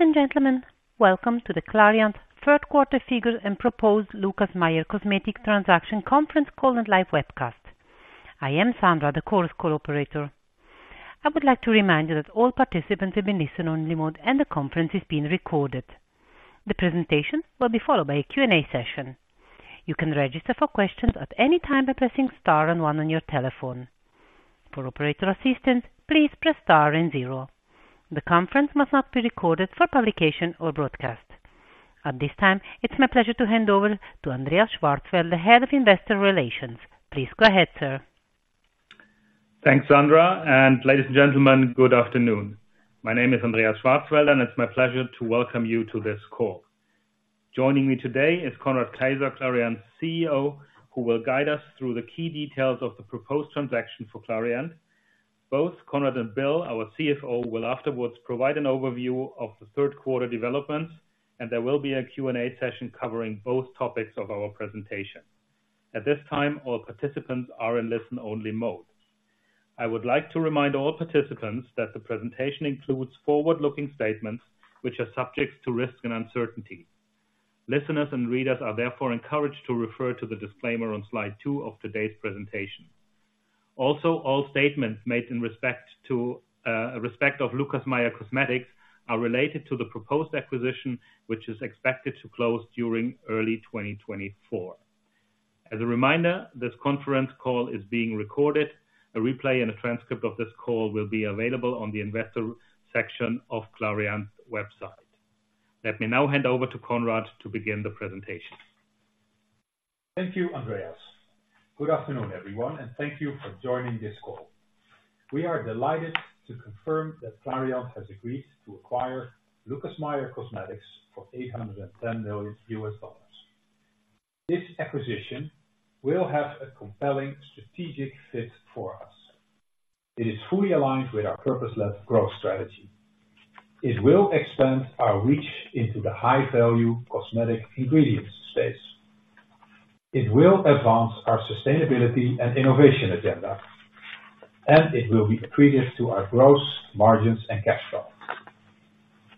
Ladies and gentlemen, welcome to the Clariant Third Quarter Figures and Proposed Lucas Meyer Cosmetics Transaction Conference call and Live Webcast. I am Sandra, the conference call operator. I would like to remind you that all participants have been placed in listen-only mode and the conference is being recorded. The presentation will be followed by a Q&A session. You can register for questions at any time by pressing star and one on your telephone. For operator assistance, please press star and zero. The conference must not be recorded for publication or broadcast. At this time, it's my pleasure to hand over to Andreas Schwarzwälder, the Head of Investor Relations. Please go ahead, sir. Thanks, Sandra, and ladies and gentlemen, good afternoon. My name is Andreas Schwarzwälder, and it's my pleasure to welcome you to this call. Joining me today is Conrad Keijzer, Clariant's CEO, who will guide us through the key details of the proposed transaction for Clariant. Both Conrad and Bill, Our CFO, will afterwards provide an overview of the third quarter developments, and there will be a Q&A session covering both topics of our presentation. At this time, all participants are in listen-only mode. I would like to remind all participants that the presentation includes forward-looking statements, which are subject to risk and uncertainty. Listeners and readers are therefore encouraged to refer to the disclaimer on slide two of today's presentation. Also, all statements made in respect to, respect of Lucas Meyer Cosmetics are related to the proposed acquisition, which is expected to close during early 2024. As a reminder, this conference call is being recorded. A replay and a transcript of this call will be available on the investor section of Clariant's website. Let me now hand over to Conrad to begin the presentation. Thank you, Andreas. Good afternoon, everyone, and thank you for joining this call. We are delighted to confirm that Clariant has agreed to acquire Lucas Meyer Cosmetics for $810 million. This acquisition will have a compelling strategic fit for us. It is fully aligned with our purpose-led growth strategy. It will expand our reach into the high-value cosmetic ingredients space. It will advance our sustainability and innovation agenda, and it will be accretive to our gross margins and cash flow.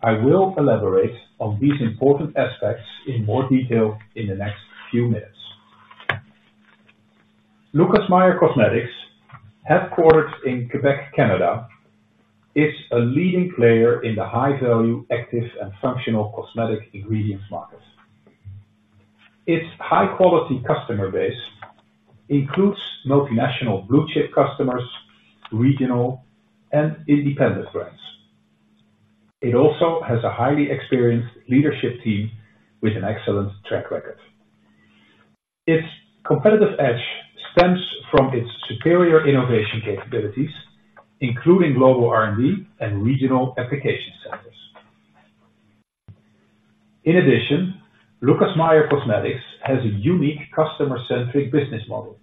I will elaborate on these important aspects in more detail in the next few minutes. Lucas Meyer Cosmetics, headquartered in Québec, Canada, is a leading player in the high-value, active, and functional cosmetic ingredients market. Its high-quality customer base includes multinational blue-chip customers, regional and independent brands. It also has a highly experienced leadership team with an excellent track record. Its competitive edge stems from its superior innovation capabilities, including global R&D and regional application centers. In addition, Lucas Meyer Cosmetics has a unique customer-centric business model,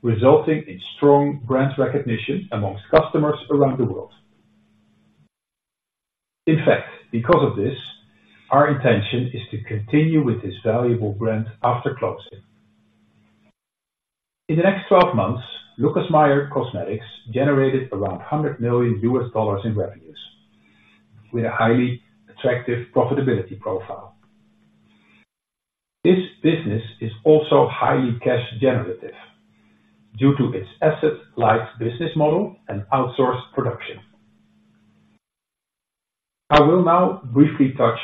resulting in strong brand recognition among customers around the world. In fact, because of this, our intention is to continue with this valuable brand after closing. In the next 12 months, Lucas Meyer Cosmetics generated around $100 million in revenues with a highly attractive profitability profile. This business is also highly cash generative due to its asset light business model and outsourced production. I will now briefly touch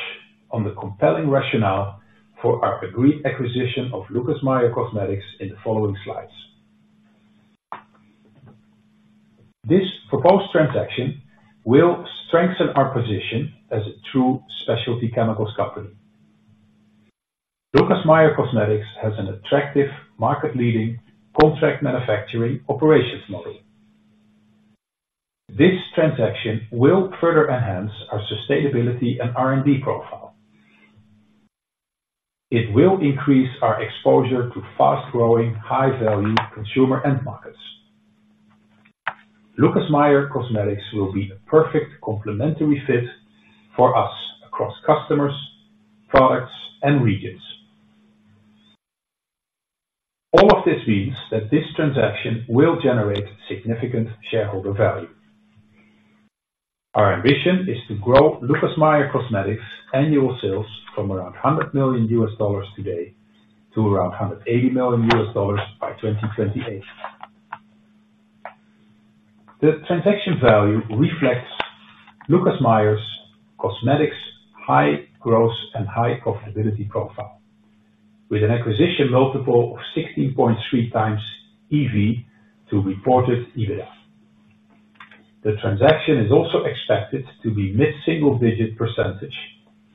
on the compelling rationale for our agreed acquisition of Lucas Meyer Cosmetics in the following slides. This proposed transaction will strengthen our position as a true specialty chemicals company. Lucas Meyer Cosmetics has an attractive market-leading contract manufacturing operations model. This transaction will further enhance our sustainability and R&D profile. It will increase our exposure to fast-growing, high-value consumer end markets. Lucas Meyer Cosmetics will be a perfect complementary fit for us across customers, products, and regions. All of this means that this transaction will generate significant shareholder value. Our ambition is to grow Lucas Meyer Cosmetics' annual sales from around $100 million today to around $180 million by 2028. The transaction value reflects Lucas Meyer Cosmetics' high growth and high profitability profile, with an acquisition multiple of 16.3x EV to reported EBITDA. The transaction is also expected to be mid-single-digit percentage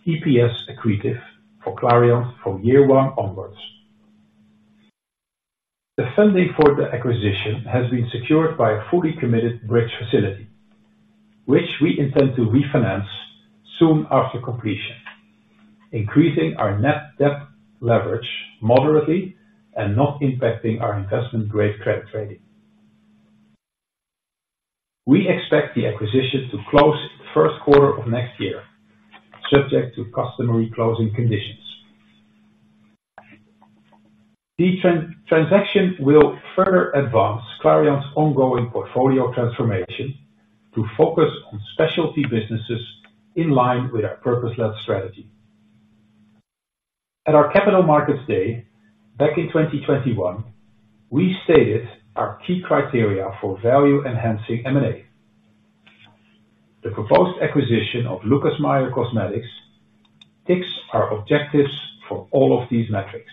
EPS accretive for Clariant from year one onwards. The funding for the acquisition has been secured by a fully committed bridge facility, which we intend to refinance soon after completion, increasing our net debt leverage moderately and not impacting our investment-grade credit rating. We expect the acquisition to close in the first quarter of next year, subject to customary closing conditions. The transaction will further advance Clariant's ongoing portfolio transformation to focus on specialty businesses in line with our purpose-led strategy. At our Capital Markets Day, back in 2021, we stated our key criteria for value-enhancing M&A. The proposed acquisition of Lucas Meyer Cosmetics ticks our objectives for all of these metrics.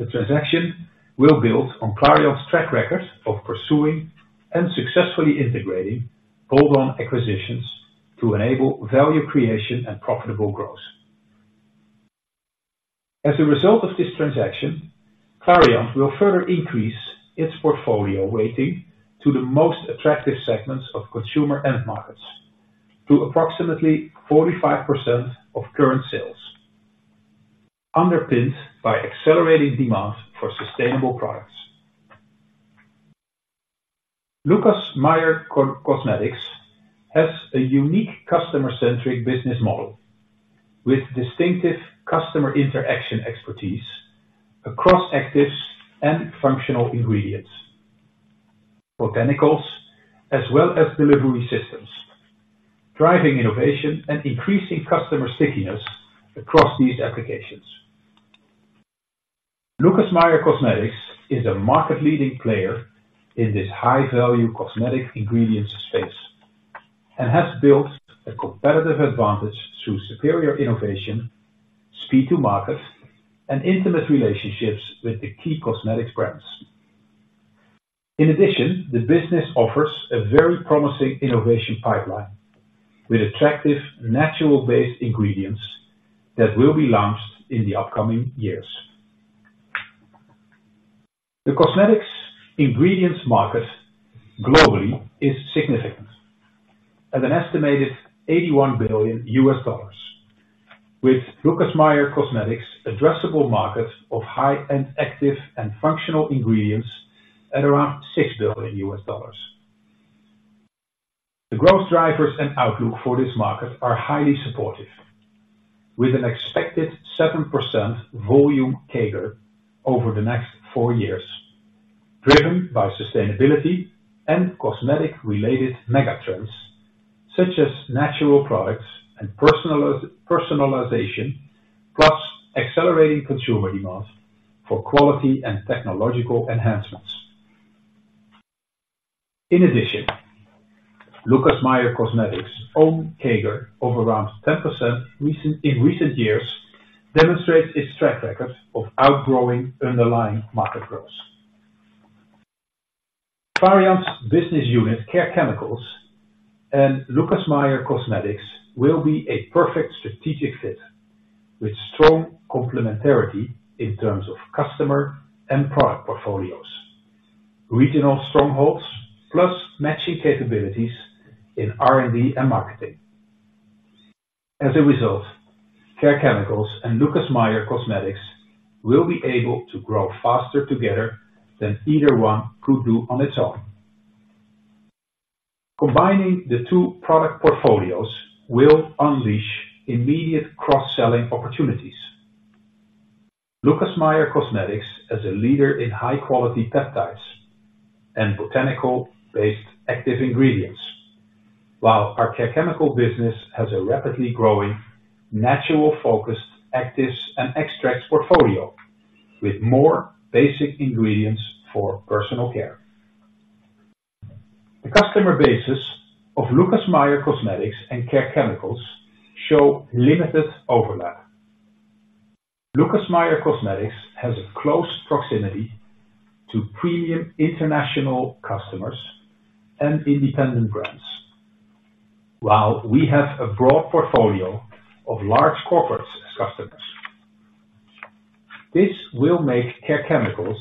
The transaction will build on Clariant's track record of pursuing and successfully integrating bolt-on acquisitions to enable value creation and profitable growth. As a result of this transaction, Clariant will further increase its portfolio weighting to the most attractive segments of consumer end markets, to approximately 45% of current sales, underpinned by accelerating demand for sustainable products. Lucas Meyer Cosmetics has a unique customer-centric business model with distinctive customer interaction expertise across actives and functional ingredients, botanicals, as well as delivery systems, driving innovation and increasing customer stickiness across these applications. Lucas Meyer Cosmetics is a market-leading player in this high-value cosmetic ingredients space, and has built a competitive advantage through superior innovation, speed to market, and intimate relationships with the key cosmetics brands. In addition, the business offers a very promising innovation pipeline with attractive, natural-based ingredients that will be launched in the upcoming years. The cosmetics ingredients market globally is significant, at an estimated $81 billion, with Lucas Meyer Cosmetics' addressable market of high-end, active, and functional ingredients at around $6 billion. The growth drivers and outlook for this market are highly supportive, with an expected 7% volume CAGR over the next four years, driven by sustainability and cosmetic-related megatrends, such as natural products and personalization, plus accelerating consumer demand for quality and technological enhancements. In addition, Lucas Meyer Cosmetics' own CAGR of around 10% in recent years demonstrates its track record of outgrowing underlying market growth. Clariant's business unit, Care Chemicals, and Lucas Meyer Cosmetics will be a perfect strategic fit, with strong complementarity in terms of customer and product portfolios, regional strongholds, plus matching capabilities in R&D and marketing. As a result, Care Chemicals and Lucas Meyer Cosmetics will be able to grow faster together than either one could do on its own. Combining the two product portfolios will unleash immediate cross-selling opportunities. Lucas Meyer Cosmetics is a leader in high-quality peptides and botanical-based active ingredients, while our Care Chemicals business has a rapidly growing, natural-focused, actives and extracts portfolio with more basic ingredients for personal care. The customer bases of Lucas Meyer Cosmetics and Care Chemicals show limited overlap. Lucas Meyer Cosmetics has a close proximity to premium international customers and independent brands, while we have a broad portfolio of large corporates as customers. This will make Care Chemicals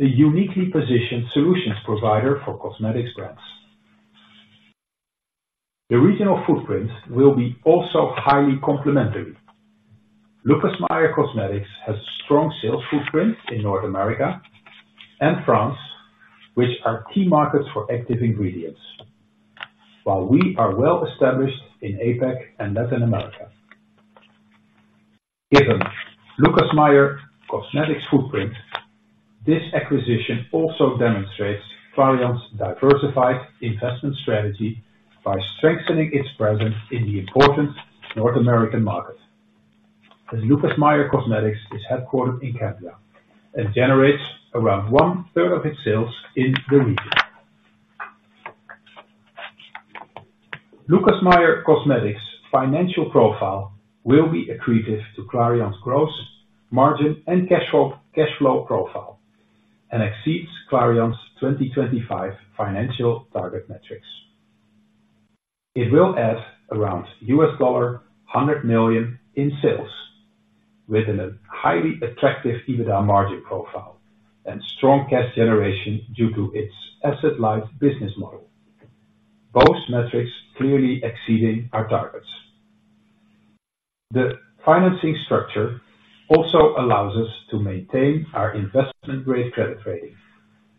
a uniquely positioned solutions provider for cosmetics brands. The regional footprint will be also highly complementary. Lucas Meyer Cosmetics has a strong sales footprint in North America and France, which are key markets for active ingredients, while we are well-established in APAC and Latin America. Given Lucas Meyer Cosmetics' footprint, this acquisition also demonstrates Clariant's diversified investment strategy by strengthening its presence in the important North American market, as Lucas Meyer Cosmetics is headquartered in Canada and generates around one third of its sales in the region. Lucas Meyer Cosmetics' financial profile will be accretive to Clariant's growth, margin, and cash flow, cash flow profile, and exceeds Clariant's 2025 financial target metrics. It will add around $100 million in sales, with a highly attractive EBITDA margin profile and strong cash generation due to its asset-light business model. Both metrics clearly exceeding our targets. The financing structure also allows us to maintain our investment-grade credit rating,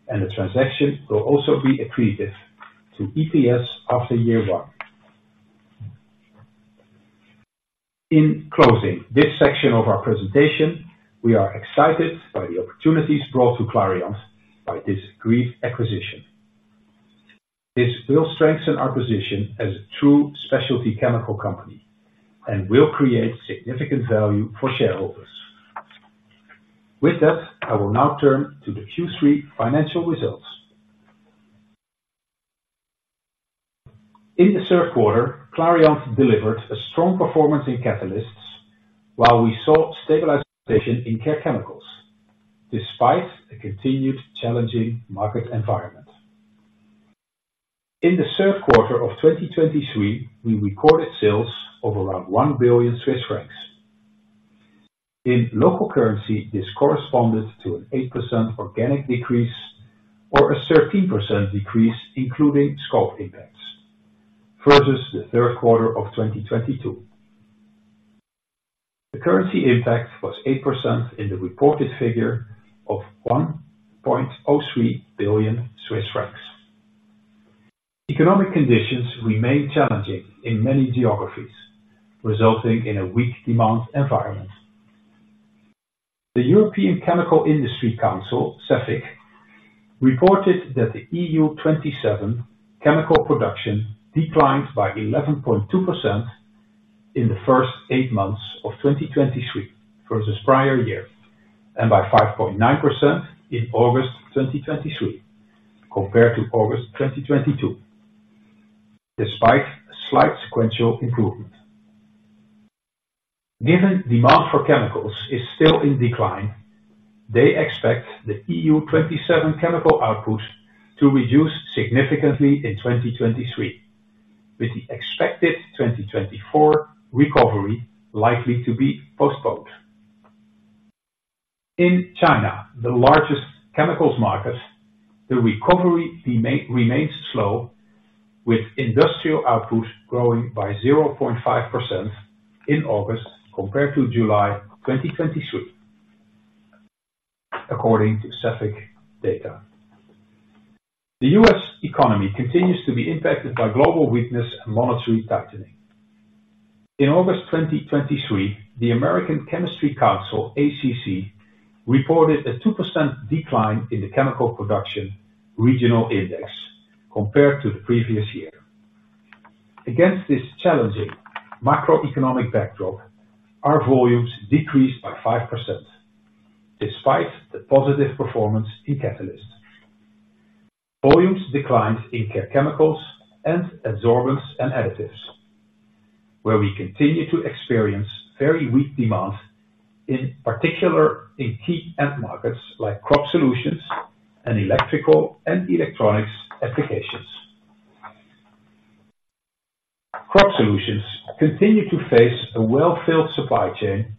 and the transaction will also be accretive to EPS after year one. In closing this section of our presentation, we are excited by the opportunities brought to Clariant by this great acquisition. This will strengthen our position as a true specialty chemical company and will create significant value for shareholders. With that, I will now turn to the Q3 financial results. In the third quarter, Clariant delivered a strong performance in catalysts, while we saw stabilization in care chemicals, despite a continued challenging market environment. In the third quarter of 2023, we recorded sales of around 1 billion Swiss francs. In local currency, this corresponded to an 8% organic decrease or a 13% decrease, including scope impacts, versus the third quarter of 2022. The currency impact was 8% in the reported figure of 1.03 billion Swiss francs. Economic conditions remain challenging in many geographies, resulting in a weak demand environment. The European Chemical Industry Council, CEFIC, reported that the EU-27 chemical production declined by 11.2% in the first eight months of 2023 versus prior year, and by 5.9% in August 2023 compared to August 2022, despite a slight sequential improvement. Given demand for chemicals is still in decline, they expect the EU-27 chemical output to reduce significantly in 2023, with the expected 2024 recovery likely to be postponed. In China, the largest chemicals market, the recovery remains slow, with industrial output growing by 0.5% in August compared to July 2023, according to CEFIC data. The US economy continues to be impacted by global weakness and monetary tightening. In August 2023, the American Chemistry Council, ACC, reported a 2% decline in the chemical production regional index compared to the previous year. Against this challenging macroeconomic backdrop, our volumes decreased by 5%, despite the positive performance in Catalysts. Volumes declined in Care Chemicals and Adsorbents and Additives, where we continue to experience very weak demand, in particular in key end markets like crop solutions and electrical and electronics applications. Crop solutions continue to face a well-filled supply chain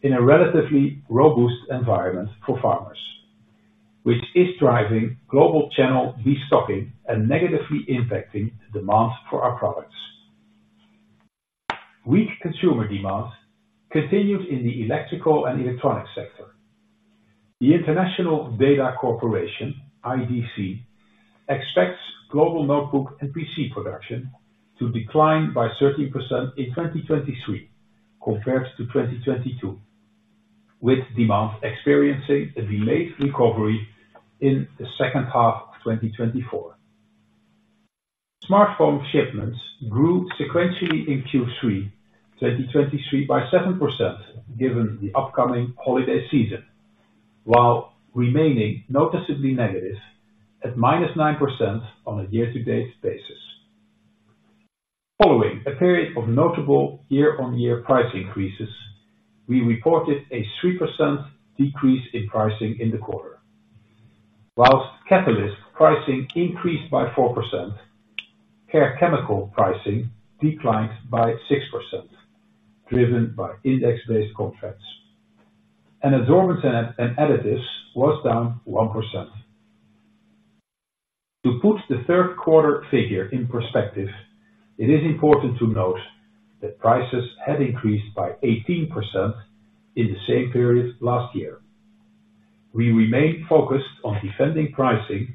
in a relatively robust environment for farmers, which is driving global channel destocking and negatively impacting the demand for our products. Weak consumer demand continued in the electrical and electronics sector. The International Data Corporation, IDC, expects global notebook and PC production to decline by 13% in 2023 compared to 2022, with demand experiencing a delayed recovery in the second half of 2024. Smartphone shipments grew sequentially in Q3 2023 by 7%, given the upcoming holiday season, while remaining noticeably negative at -9% on a year-to-date basis. Following a period of notable year-on-year price increases, we reported a 3% decrease in pricing in the quarter. While catalyst pricing increased by 4%, Care Chemicals pricing declined by 6%, driven by index-based contracts, and Adsorbents and Additives was down 1%. To put the third quarter figure in perspective, it is important to note that prices had increased by 18% in the same period last year. We remain focused on defending pricing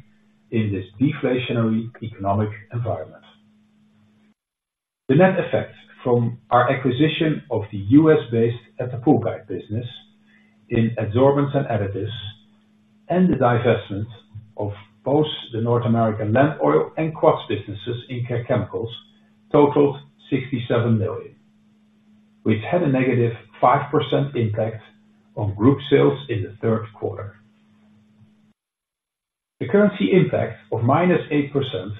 in this deflationary economic environment. The net effect from our acquisition of the U.S.-based [Attapulgite] business in adsorbents and additives, and the divestment of both the North American Land Oil and crops businesses in Care Chemicals totaled 67 million, which had a -5% impact on group sales in the third quarter. The currency impact of -8%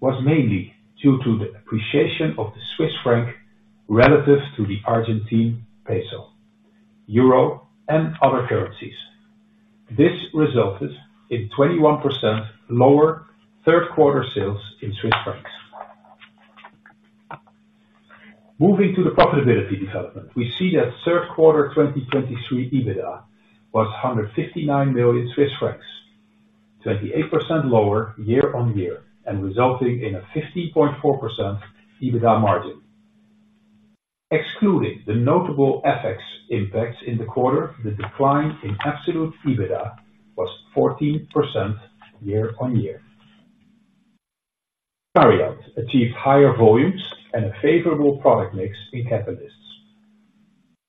was mainly due to the appreciation of the Swiss franc relative to the Argentine peso, euro, and other currencies. This resulted in 21% lower third quarter sales in Swiss francs. Moving to the profitability development, we see that third quarter 2023 EBITDA was 159 million Swiss francs, 28% lower year-on-year and resulting in a 15.4% EBITDA margin. Excluding the notable FX impacts in the quarter, the decline in absolute EBITDA was 14% year-on-year.... Clariant achieved higher volumes and a favorable product mix in Catalysts.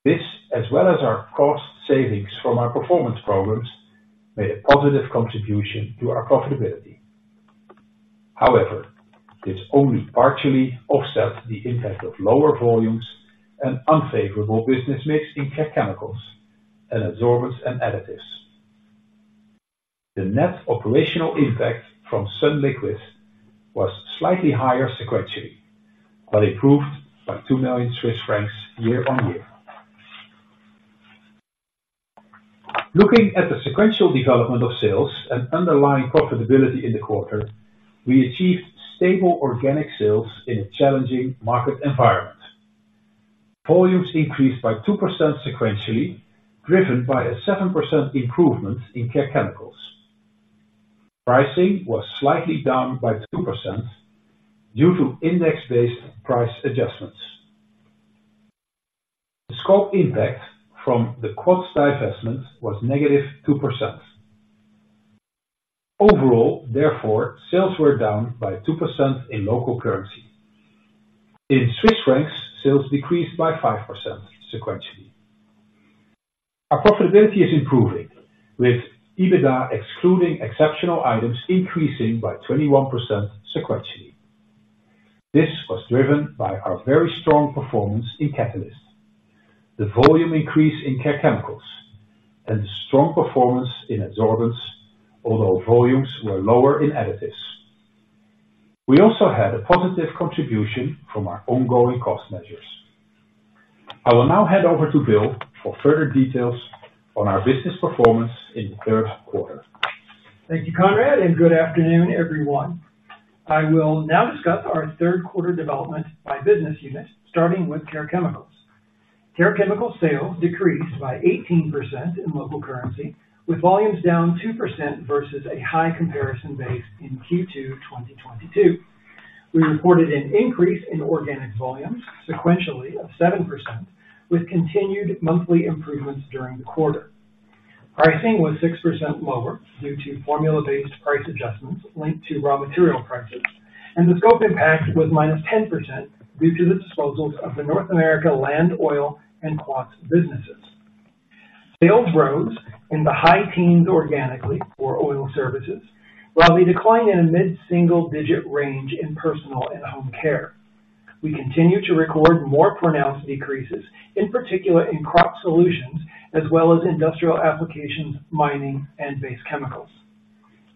This, as well as our cost savings from our performance programs, made a positive contribution to our profitability. However, this only partially offset the impact of lower volumes and unfavorable business mix in Care Chemicals and Adsorbents and Additives. The net operational impact from Sunliquid was slightly higher sequentially, but improved by CHF 2 million year-over-year. Looking at the sequential development of sales and underlying profitability in the quarter, we achieved stable organic sales in a challenging market environment. Volumes increased by 2% sequentially, driven by a 7% improvement in Care Chemicals. Pricing was slightly down by 2% due to index-based price adjustments. The scope impact from the Quats divestment was -2%. Overall, therefore, sales were down by 2% in local currency. In Swiss francs, sales decreased by 5% sequentially. Our profitability is improving, with EBITDA, excluding exceptional items, increasing by 21% sequentially. This was driven by our very strong performance in Catalysts, the volume increase in Care Chemicals, and the strong performance in Adsorbents, although volumes were lower in Additives. We also had a positive contribution from our ongoing cost measures. I will now hand over to Bill for further details on our business performance in the third quarter. Thank you, Conrad, and good afternoon, everyone. I will now discuss our third quarter development by business unit, starting with Care Chemicals. Care Chemicals sales decreased by 18% in local currency, with volumes down 2% versus a high comparison base in Q2 2022. We reported an increase in organic volumes sequentially of 7%, with continued monthly improvements during the quarter. Pricing was 6% lower due to formula-based price adjustments linked to raw material prices, and the scope impact was -10% due to the disposals of the North America Land Oil and Quats businesses. Sales rose in the high teens organically for oil services, while we declined in a mid-single digit range in personal and home care. We continue to record more pronounced decreases, in particular in crop solutions, as well as industrial applications, mining, and base chemicals.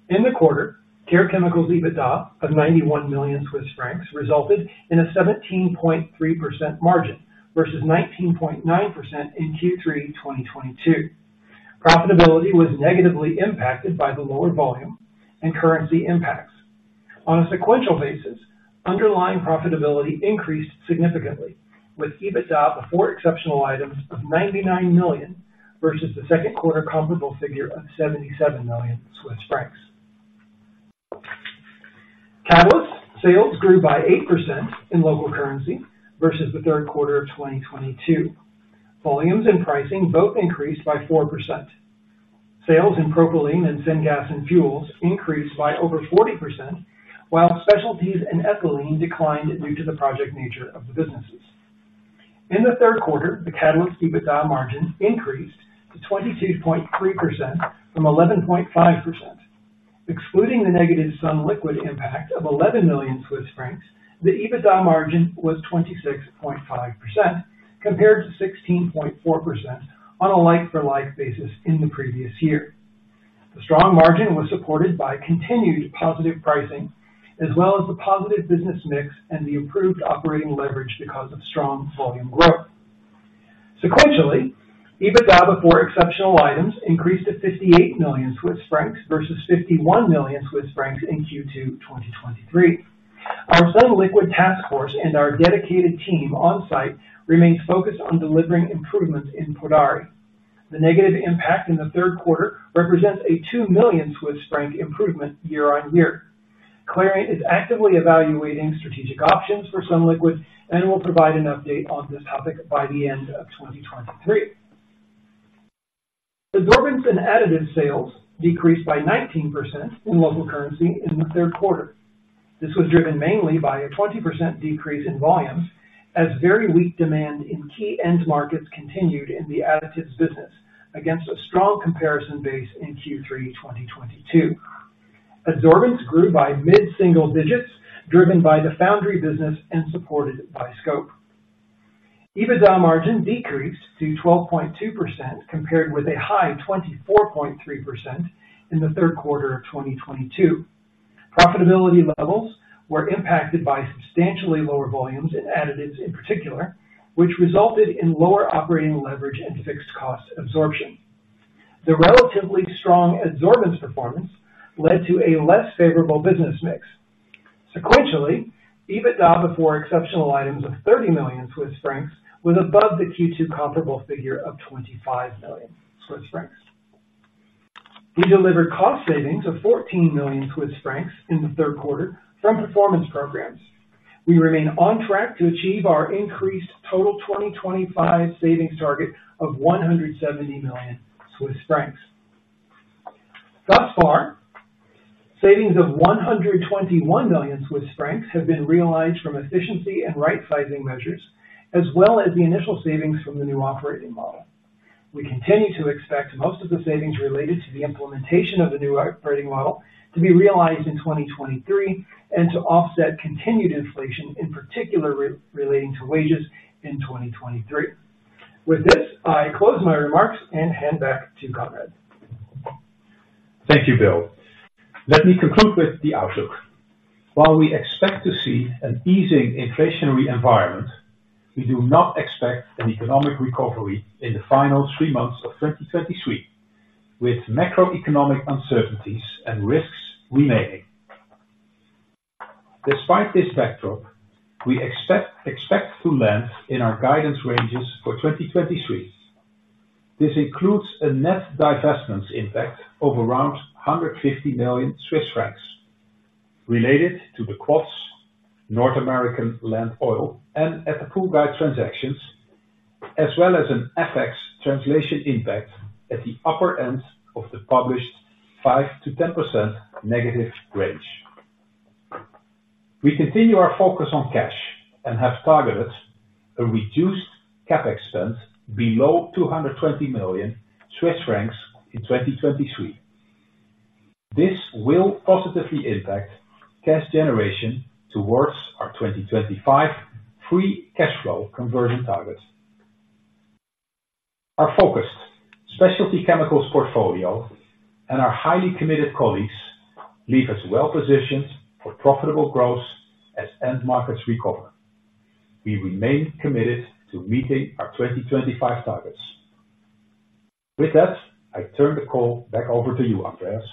In the quarter, Care Chemicals EBITDA of 91 million Swiss francs resulted in a 17.3% margin versus 19.9% in Q3 2022. Profitability was negatively impacted by the lower volume and currency impacts. On a sequential basis, underlying profitability increased significantly, with EBITDA before exceptional items of 99 million, versus the second quarter comparable figure of 77 million Swiss francs. Catalysts sales grew by 8% in local currency versus the third quarter of 2022. Volumes and pricing both increased by 4%. Sales in propylene and syngas and fuels increased by over 40%, while specialties and ethylene declined due to the project nature of the businesses. In the third quarter, the Catalysts EBITDA margin increased to 22.3% from 11.5%. Excluding the negative Sunliquid impact of 11 million Swiss francs, the EBITDA margin was 26.5%, compared to 16.4% on a like-for-like basis in the previous year. The strong margin was supported by continued positive pricing, as well as the positive business mix and the improved operating leverage because of strong volume growth. Sequentially, EBITDA before exceptional items increased to 58 million Swiss francs versus 51 million Swiss francs in Q2 2023. Our Sunliquid task force and our dedicated team on site remains focused on delivering improvements in Podari. The negative impact in the third quarter represents a 2 million Swiss franc improvement year-on-year. Clariant is actively evaluating strategic options for Sunliquid and will provide an update on this topic by the end of 2023. Adsorbents and Additives sales decreased by 19% in local currency in the third quarter. This was driven mainly by a 20% decrease in volumes, as very weak demand in key end markets continued in the Additives business against a strong comparison base in Q3 2022. Adsorbents grew by mid-single digits, driven by the foundry business and supported by scope. EBITDA margin decreased to 12.2%, compared with a high 24.3% in the third quarter of 2022. Profitability levels were impacted by substantially lower volumes in Additives in particular, which resulted in lower operating leverage and fixed cost absorption. The relatively strong Adsorbents performance led to a less favorable business mix. Sequentially, EBITDA before exceptional items of 30 million Swiss francs was above the Q2 comparable figure of 25 million Swiss francs. We delivered cost savings of 14 million Swiss francs in the third quarter from performance programs. We remain on track to achieve our increased total 2025 savings target of 170 million Swiss francs. Thus far, savings of 121 million Swiss francs have been realized from efficiency and right sizing measures, as well as the initial savings from the new operating model. We continue to expect most of the savings related to the implementation of the new operating model to be realized in 2023, and to offset continued inflation, in particular, relating to wages in 2023. With this, I close my remarks and hand back to Conrad. Thank you, Bill. Let me conclude with the outlook. While we expect to see an easing inflationary environment, we do not expect an economic recovery in the final three months of 2023, with macroeconomic uncertainties and risks remaining. Despite this backdrop, we expect to land in our guidance ranges for 2023. This includes a net divestments impact of around 150 million Swiss francs related to the Quats, North American Land Oil, and the Pigments transactions, as well as an FX translation impact at the upper end of the published 5%-10% negative range. We continue our focus on cash and have targeted a reduced CapEx spend below 220 million Swiss francs in 2023. This will positively impact cash generation towards our 2025 free cash flow conversion target. Our focused specialty chemicals portfolio and our highly committed colleagues leave us well positioned for profitable growth as end markets recover. We remain committed to meeting our 2025 targets. With that, I turn the call back over to you, Andreas.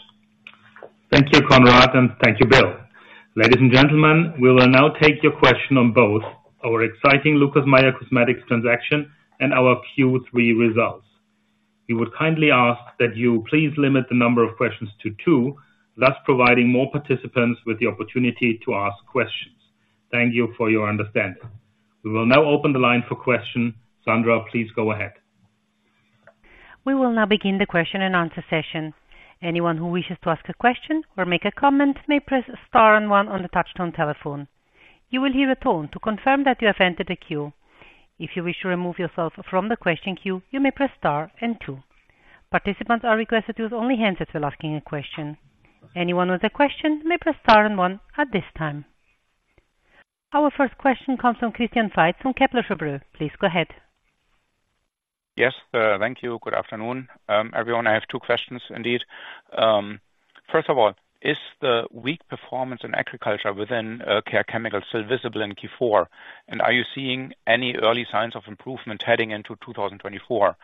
Thank you, Conrad, and thank you, Bill. Ladies and gentlemen, we will now take your questions on both our exciting Lucas Meyer Cosmetics transaction and our Q3 results. We would kindly ask that you please limit the number of questions to two, thus providing more participants with the opportunity to ask questions. Thank you for your understanding. We will now open the line for questions. Sandra, please go ahead. We will now begin the question and answer session. Anyone who wishes to ask a question or make a comment, may press star and one on the touchtone telephone. You will hear a tone to confirm that you have entered the queue. If you wish to remove yourself from the question queue, you may press star and two. Participants are requested to only answer to asking a question. Anyone with a question may press star and one at this time. Our first question comes from Christian Faitz from Kepler Cheuvreux. Please go ahead. Yes, thank you. Good afternoon, everyone. I have two questions indeed. First of all, is the weak performance in agriculture within Care Chemicals still visible in Q4? And are you seeing any early signs of improvement heading into 2024?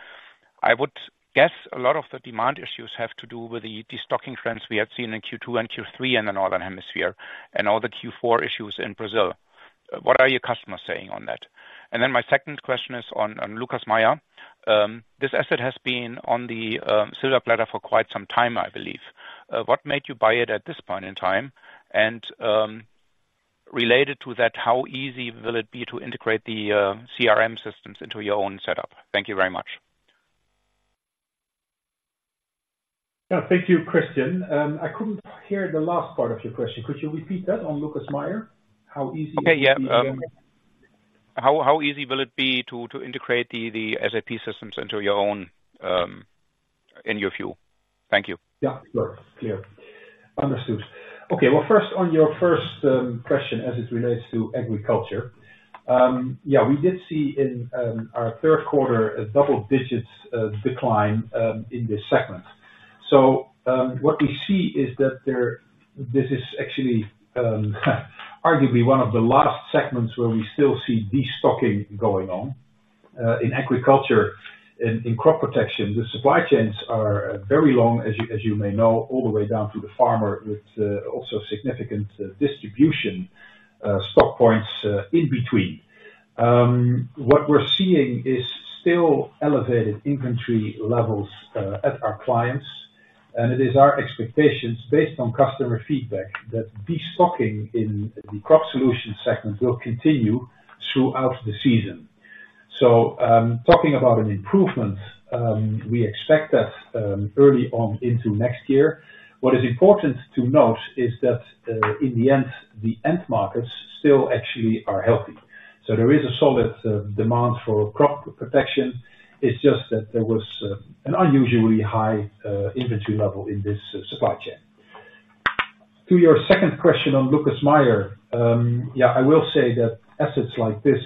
I would guess a lot of the demand issues have to do with the destocking trends we have seen in Q2 and Q3 in the Northern Hemisphere, and all the Q4 issues in Brazil. What are your customers saying on that? And then my second question is on Lucas Meyer. This asset has been on the silver platter for quite some time, I believe. What made you buy it at this point in time? And related to that, how easy will it be to integrate the CRM systems into your own setup? Thank you very much. Thank you, Christian. I couldn't hear the last part of your question. Could you repeat that on Lucas Meyer? How easy- Yeah. How easy will it be to integrate the SAP systems into your own in your view? Thank you. Yeah, sure. Clear. Understood. Okay, well, first, on your first question as it relates to agriculture. Yeah, we did see in our third quarter a double-digit decline in this segment. So, what we see is that this is actually, arguably one of the last segments where we still see destocking going on in agriculture. In Crop Protection, the supply chains are very long, as you may know, all the way down to the farmer, with also significant distribution stock points in between. What we're seeing is still elevated inventory levels at our clients, and it is our expectations, based on customer feedback, that destocking in the crop solution segment will continue throughout the season. So, talking about an improvement, we expect that early on into next year. What is important to note is that, in the end, the end markets still actually are healthy. So there is a solid demand for Crop Protection. It's just that there was an unusually high inventory level in this supply chain. To your second question on Lucas Meyer. Yeah, I will say that assets like this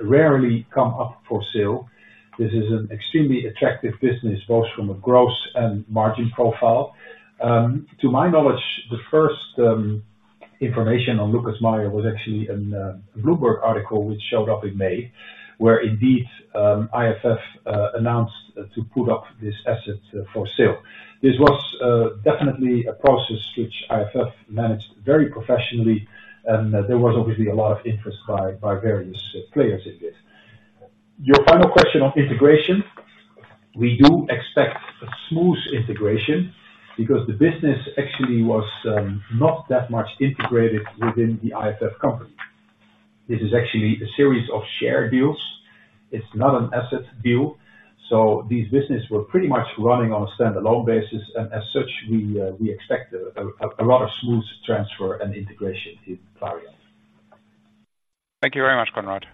rarely come up for sale. This is an extremely attractive business, both from a growth and margin profile. To my knowledge, the first information on Lucas Meyer was actually a Bloomberg article, which showed up in May, where indeed IFF announced to put up this asset for sale. This was definitely a process which IFF managed very professionally, and there was obviously a lot of interest by various players in this.... Your final question on integration, we do expect a smooth integration, because the business actually was not that much integrated within the IFF company. This is actually a series of share deals. It's not an asset deal, so these businesses were pretty much running on a standalone basis, and as such, we expect a lot of smooth transfer and integration in Clariant. Thank you very much, Conrad.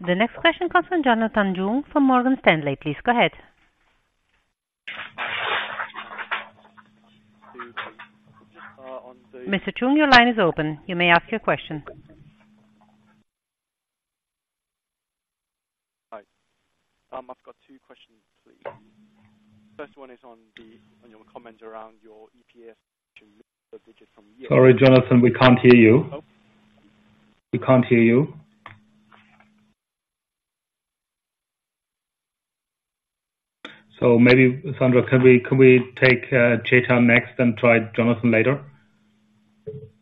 The next question comes from Jonathan Chung from Morgan Stanley. Please go ahead. Mr. Chung, your line is open. You may ask your question. Hi. I've got two questions, please. First one is on the, on your comments around your EPS Sorry, Jonathan, we can't hear you. Oh. We can't hear you. So maybe, Sandra, can we, can we take Chetan next, then try Jonathan later?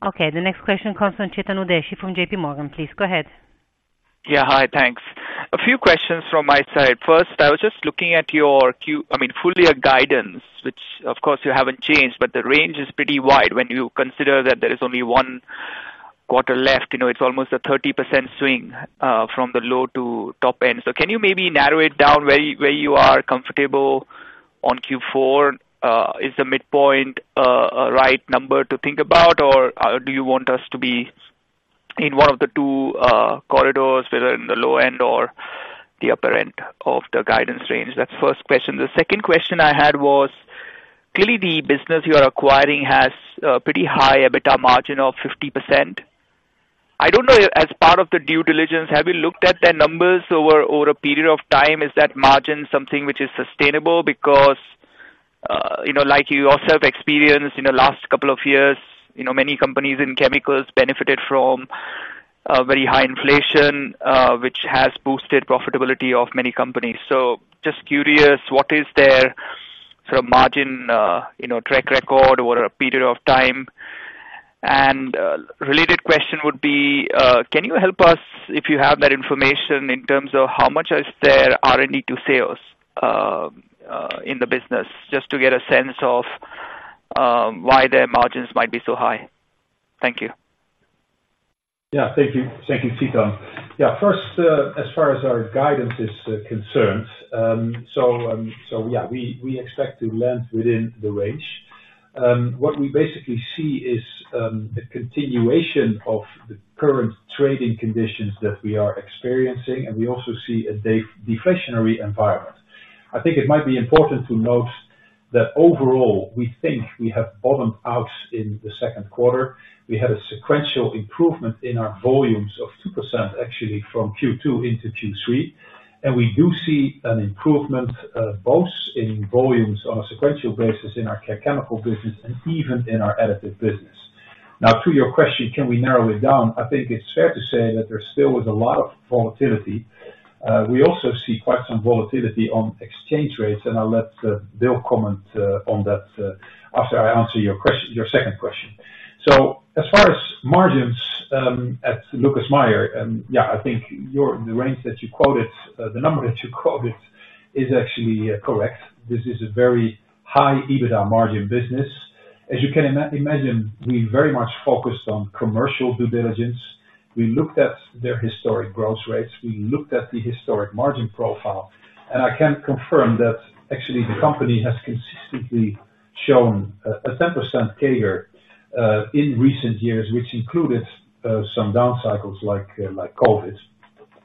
Okay. The next question comes from Chetan Udeshi from JPMorgan. Please, go ahead. Yeah. Hi, thanks. A few questions from my side. First, I was just looking at your—I mean, full year guidance, which of course you haven't changed, but the range is pretty wide when you consider that there is only one quarter left. You know, it's almost a 30% swing from the low to top end. So can you maybe narrow it down where you, where you are comfortable on Q4? Is the midpoint a right number to think about, or do you want us to be in one of the two corridors, whether in the low end or the upper end of the guidance range? That's the first question. The second question I had was, clearly, the business you are acquiring has a pretty high EBITDA margin of 50%. I don't know, as part of the due diligence, have you looked at the numbers over a period of time? Is that margin something which is sustainable? Because, you know, like you also have experienced in the last couple of years, you know, many companies in chemicals benefited from, very high inflation, which has boosted profitability of many companies. So just curious, what is their sort of margin, you know, track record over a period of time? And, related question would be, can you help us, if you have that information, in terms of how much is their R&D to sales, in the business, just to get a sense of, why their margins might be so high? Thank you. Yeah, thank you. Thank you, Chetan. Yeah, first, as far as our guidance is concerned, yeah, we expect to land within the range. What we basically see is a continuation of the current trading conditions that we are experiencing, and we also see a deflationary environment. I think it might be important to note that overall, we think we have bottomed out in the second quarter. We had a sequential improvement in our volumes of 2%, actually, from Q2 into Q3, and we do see an improvement both in volumes on a sequential basis in our Care Chemicals business and even in our Additives business. Now, to your question, can we narrow it down? I think it's fair to say that there still is a lot of volatility. We also see quite some volatility on exchange rates, and I'll let Bill comment on that after I answer your question, your second question. So as far as margins, at Lucas Meyer, yeah, I think your, the range that you quoted, the number that you quoted is actually correct. This is a very high EBITDA margin business. As you can imagine, we very much focused on commercial due diligence. We looked at their historic growth rates, we looked at the historic margin profile, and I can confirm that actually the company has consistently shown a 10% CAGR in recent years, which included some down cycles like COVID.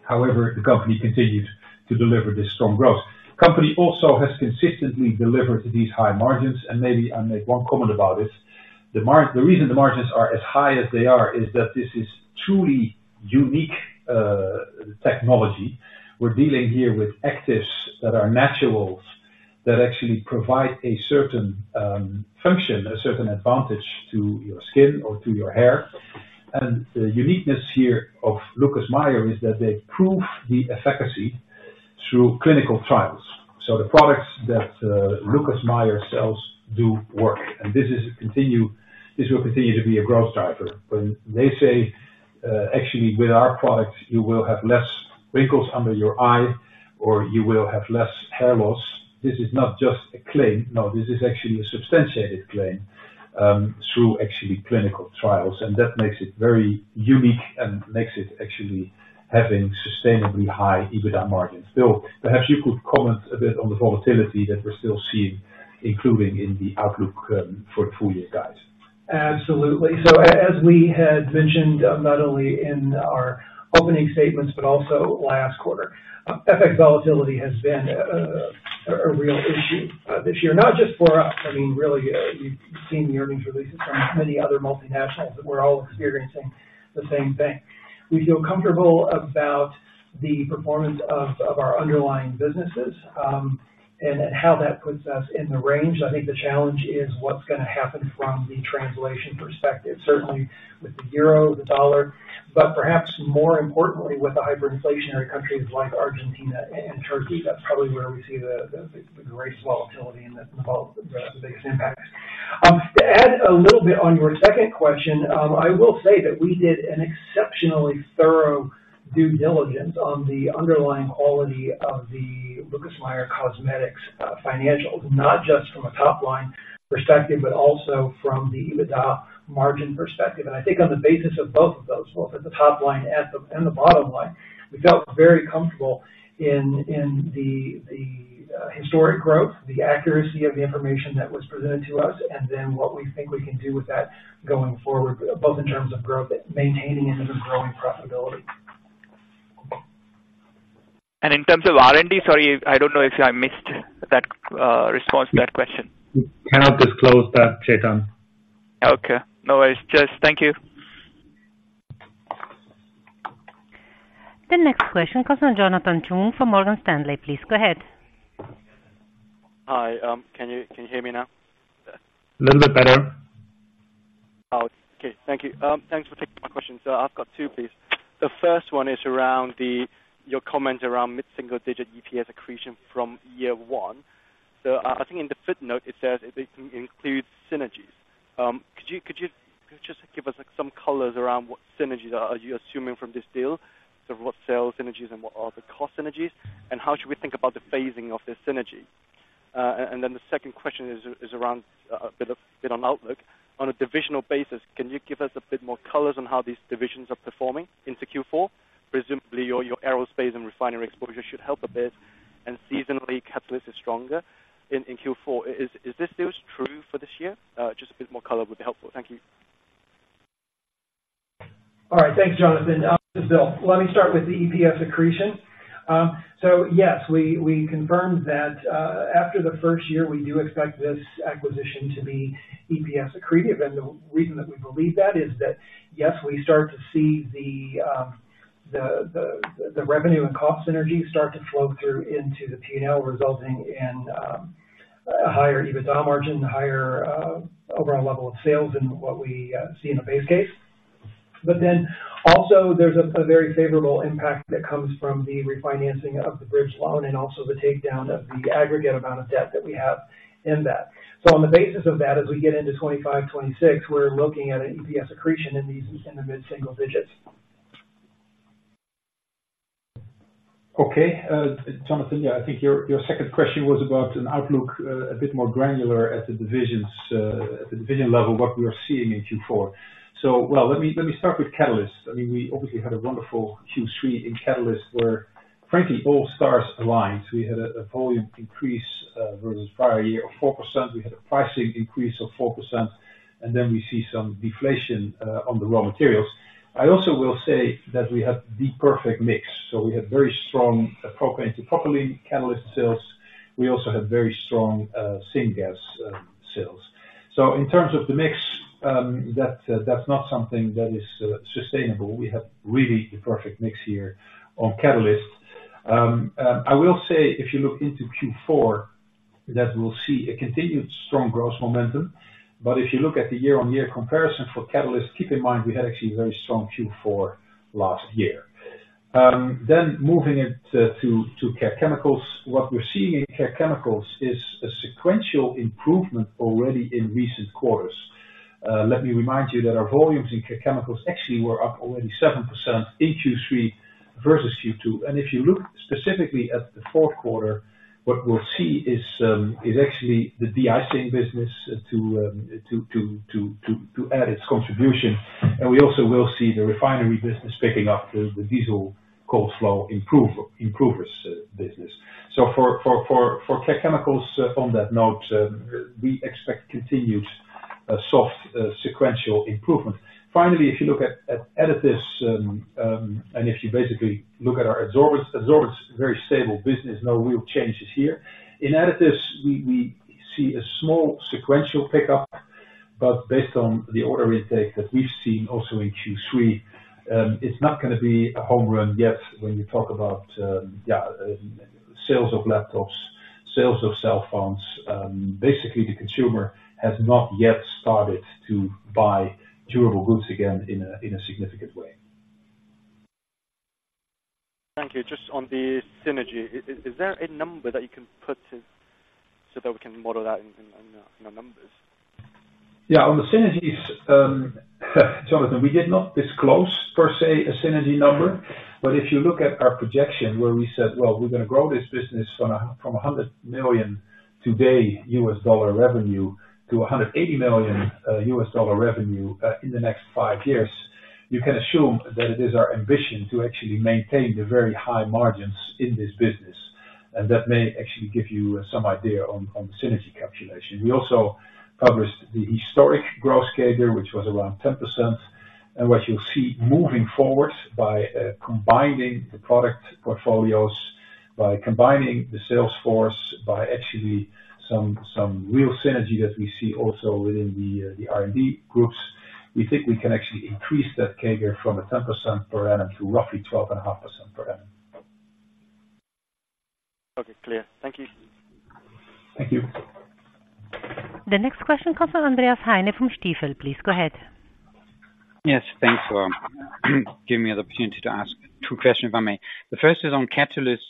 However, the company continued to deliver this strong growth. Company also has consistently delivered these high margins, and maybe I'll make one comment about it. The reason the margins are as high as they are is that this is truly unique technology. We're dealing here with actives that are naturals that actually provide a certain function a certain advantage to your skin or to your hair. And the uniqueness here of Lucas Meyer is that they prove the efficacy through clinical trials. So the products that Lucas Meyer sells do work and this will continue to be a growth driver. When they say "Actually with our products you will have less wrinkles under your eye or you will have less hair loss" this is not just a claim no this is actually a substantiated claim through actually clinical trials and that makes it very unique and makes it actually having sustainably high EBITDA margins. Bill, perhaps you could comment a bit on the volatility that we're still seeing, including in the outlook, for the full year guys. Absolutely. So as we had mentioned, not only in our opening statements, but also last quarter, FX volatility has been a real issue this year, not just for us, I mean, really, we've seen the earnings releases from many other multinationals, and we're all experiencing the same thing. We feel comfortable about the performance of our underlying businesses, and how that puts us in the range. I think the challenge is what's gonna happen from the translation perspective, certainly with the euro, the dollar, but perhaps more importantly, with the hyperinflationary countries like Argentina and Turkey. That's probably where we see the greatest volatility and the biggest impact. To add a little bit on your second question, I will say that we did an exceptionally thorough due diligence on the underlying quality of the Lucas Meyer Cosmetics financials, not just from a top-line perspective, but also from the EBITDA margin perspective. And I think on the basis of both of those, both at the top line and the bottom line, we felt very comfortable in the historic growth, the accuracy of the information that was presented to us, and then what we think we can do with that going forward, both in terms of growth, maintaining and then growing profitability. In terms of R&D, sorry, I don't know if I missed that response to that question. Cannot disclose that, Chetan. Okay. No worries. Just thank you. The next question comes from Jonathan Chung from Morgan Stanley. Please go ahead. Hi, can you hear me now? Little bit better. Oh, okay. Thank you. Thanks for taking my question. So I've got two, please. The first one is around the... Your comment around mid-single digit EPS accretion from year one. So, I think in the fifth note, it says it includes synergies. Could you, could you just give us, like, some colors around what synergies are you assuming from this deal? So what sales synergies and what are the cost synergies, and how should we think about the phasing of this synergy? And then the second question is around a bit of a bit on outlook. On a divisional basis, can you give us a bit more colors on how these divisions are performing into Q4? Presumably, your, your aerospace and refinery exposure should help a bit, and seasonally, Catalyst is stronger in Q4. Is this still true for this year? Just a bit more color would be helpful. Thank you. All right. Thanks, Jonathan. This is Bill. Let me start with the EPS accretion. So yes, we confirmed that after the first year, we do expect this acquisition to be EPS accretive. And the reason that we believe that is that yes, we start to see the revenue and cost synergies start to flow through into the P&L, resulting in a higher EBITDA margin, higher overall level of sales than what we see in a base case. But then also there's a very favorable impact that comes from the refinancing of the bridge loan and also the takedown of the aggregate amount of debt that we have in that. So on the basis of that, as we get into 2025, 2026, we're looking at an EPS accretion in the mid-single digits. Okay. Jonathan, yeah, I think your second question was about an outlook, a bit more granular at the divisions, at the division level, what we are seeing in Q4. So, well, let me start with Catalyst. I mean, we obviously had a wonderful Q3 in Catalyst, where, frankly, all stars aligned. We had a volume increase versus prior year of 4%. We had a pricing increase of 4%, and then we see some deflation on the raw materials. I also will say that we have the perfect mix, so we had very strong propane to propylene catalyst sales. We also had very strong syngas sales. So in terms of the mix, that's not something that is sustainable. We have really the perfect mix here on Catalyst. I will say, if you look into Q4, that we'll see a continued strong growth momentum. But if you look at the year-on-year comparison for Catalysts, keep in mind we had actually a very strong Q4 last year. Then moving it to Care Chemicals. What we're seeing in Care Chemicals is a sequential improvement already in recent quarters. Let me remind you that our volumes in Care Chemicals actually were up already 7% in Q3 versus Q2. And if you look specifically at the fourth quarter, what we'll see is actually the de-icing business to add its contribution. And we also will see the refinery business picking up the diesel cold flow improvers business. So for Care Chemicals, on that note, we expect continued soft sequential improvement. Finally, if you look at additives, and if you basically look at our adsorbents, very stable business, no real changes here. In additives, we see a small sequential pickup, but based on the order intake that we've seen also in Q3, it's not gonna be a home run yet when you talk about sales of laptops, sales of cell phones, basically, the consumer has not yet started to buy durable goods again in a significant way. Thank you. Just on the synergy, is there a number that you can put to, so that we can model that in the numbers? Yeah, on the synergies, Jonathan, we did not disclose, per se, a synergy number. But if you look at our projection, where we said, "Well, we're gonna grow this business from $100 million today revenue to $80 million revenue in the next five years," you can assume that it is our ambition to actually maintain the very high margins in this business, and that may actually give you some idea on the synergy calculation. We also published the historic growth CAGR, which was around 10%. And what you'll see moving forward by combining the product portfolios, by combining the sales force, by actually some real synergy that we see also within the R&D groups, we think we can actually increase that CAGR from a 10% per annum to roughly 12.5% per annum. Okay, clear. Thank you. Thank you. The next question comes from Andreas Heine from Stifel. Please go ahead. Yes, thanks for giving me the opportunity to ask two questions, if I may. The first is on Catalyst.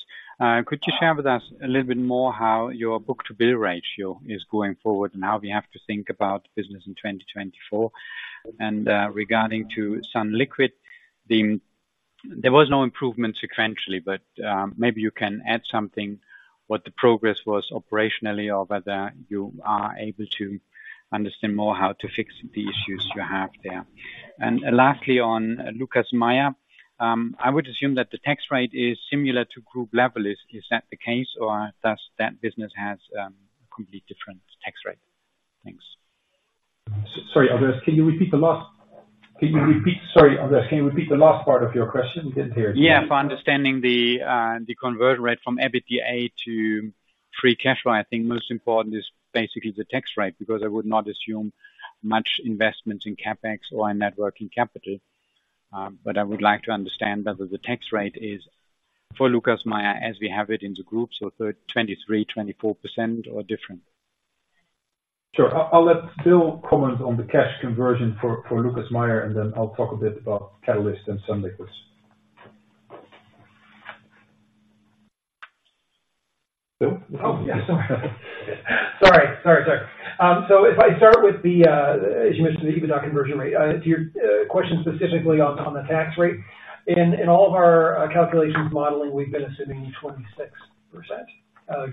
Could you share with us a little bit more how your book-to-bill ratio is going forward and how we have to think about business in 2024? And, regarding to Sunliquid, there was no improvement sequentially, but, maybe you can add something, what the progress was operationally, or whether you are able to understand more how to fix the issues you have there. And lastly, on Lucas Meyer, I would assume that the tax rate is similar to group level. Is, is that the case, or does that business have, a completely different tax rate? Thanks. Sorry, Andreas, can you repeat the last part of your question? Didn't hear it. Yeah. For understanding the conversion rate from EBITDA to free cash flow, I think most important is basically the tax rate, because I would not assume much investment in CapEx or in net working capital. But I would like to understand whether the tax rate is for Lucas Meyer, as we have it in the group, so for 23%-24% or different. Sure. I'll let Bill comment on the cash conversion for Lucas Meyer, and then I'll talk a bit about Catalyst and Sunliquids. Bill? Oh, yeah, sorry. Sorry, sorry, sorry. So if I start with the, as you mentioned, the EBITDA conversion rate, to your question specifically on, on the tax rate. In all of our calculations modeling, we've been assuming 26%,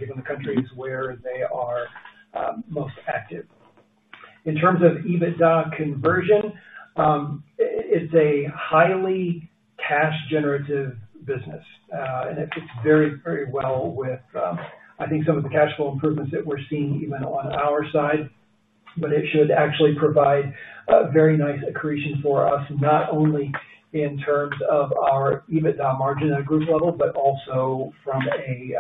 given the countries where they are, most active. In terms of EBITDA conversion, it's a highly cash generative business, and it fits very, very well with, I think some of the cash flow improvements that we're seeing even on our side, but it should actually provide a very nice accretion for us, not only in terms of our EBITDA margin at a group level, but also from a,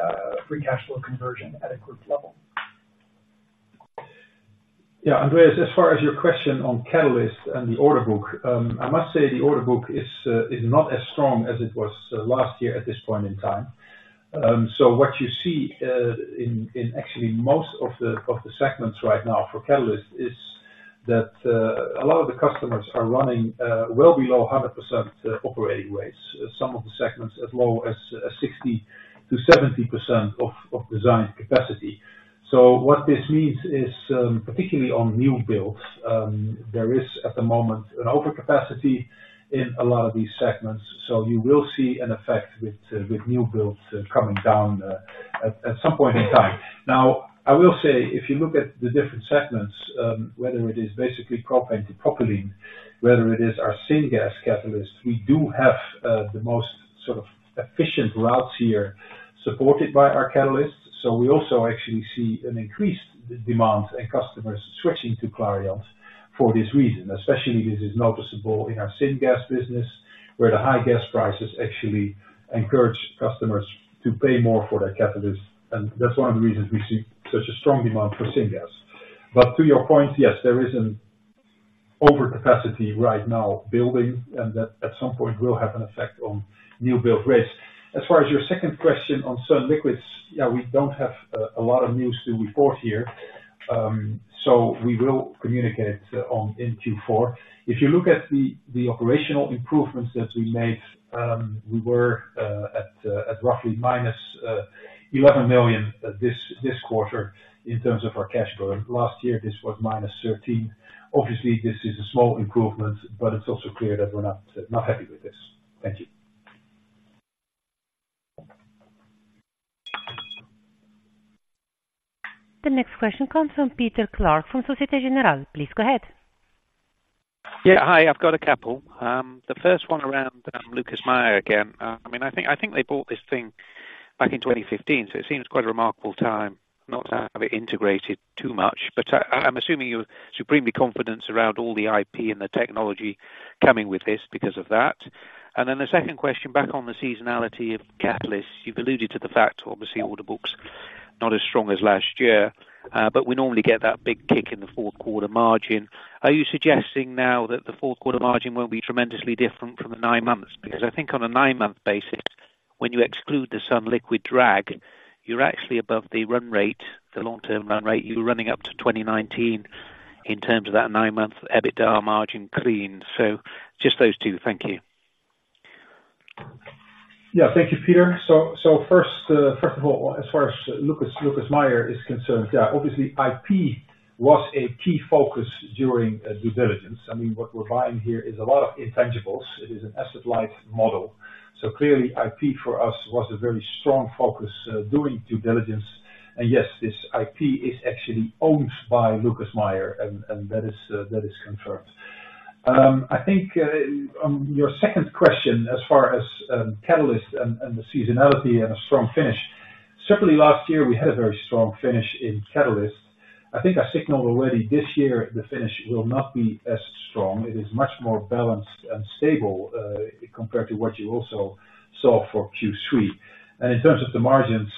free cash flow conversion at a group level. Yeah, Andreas, as far as your question on Catalyst and the order book, I must say, the order book is not as strong as it was last year at this point in time. So what you see in actually most of the segments right now for Catalyst is that a lot of the customers are running well below 100% operating rates. Some of the segments as low as 60%-70% of design capacity. So what this means is, particularly on new builds, there is at the moment an overcapacity in a lot of these segments, so you will see an effect with new builds coming down at some point in time. Now, I will say, if you look at the different segments, whether it is basically Propane to Propylene, whether it is our Syngas catalysts, we do have the most sort of efficient routes here, supported by our catalysts. So we also actually see an increased demand and customers switching to Clariant for this reason. Especially, this is noticeable in our Syngas business, where the high gas prices actually encourage customers to pay more for their catalysts, and that's one of the reasons we see such a strong demand for Syngas. But to your point, yes, there is an overcapacity right now building, and that, at some point, will have an effect on new build rates. As far as your second question on Sunliquids, yeah, we don't have a lot of news to report here, so we will communicate on in Q4. If you look at the operational improvements that we made, we were at roughly minus 11 million this quarter in terms of our cash flow. Last year, this was minus 13 million. Obviously, this is a small improvement, but it's also clear that we're not happy with this. Thank you. The next question comes from Peter Clark from Société Générale. Please go ahead. Yeah. Hi, I've got a couple. The first one around Lucas Meyer again. I mean, I think, I think they bought this thing back in 2015, so it seems quite a remarkable time not to have it integrated too much. But I, I'm assuming you're supremely confident around all the IP and the technology coming with this because of that. And then the second question, back on the seasonality of catalysts. You've alluded to the fact, obviously, order book's not as strong as last year, but we normally get that big kick in the fourth quarter margin. Are you suggesting now that the fourth quarter margin won't be tremendously different from the nine months? Because I think on a nine-month basis, when you exclude the Sunliquid drag, you're actually above the run rate, the long-term run rate. You're running up to 2019 in terms of that nine-month EBITDA margin clean. So just those two. Thank you. Yeah. Thank you, Peter. So, first, first of all, as far as Lucas Meyer is concerned, yeah, obviously IP was a key focus during due diligence. I mean, what we're buying here is a lot of intangibles. It is an asset-light model. So clearly, IP for us was a very strong focus during due diligence, and yes, this IP is actually owned by Lucas Meyer, and that is confirmed. I think, on your second question, as far as Catalysts and the seasonality and a strong finish. Certainly last year, we had a very strong finish in Catalysts. I think I signaled already this year, the finish will not be as strong. It is much more balanced and stable compared to what you also saw for Q3. In terms of the margins,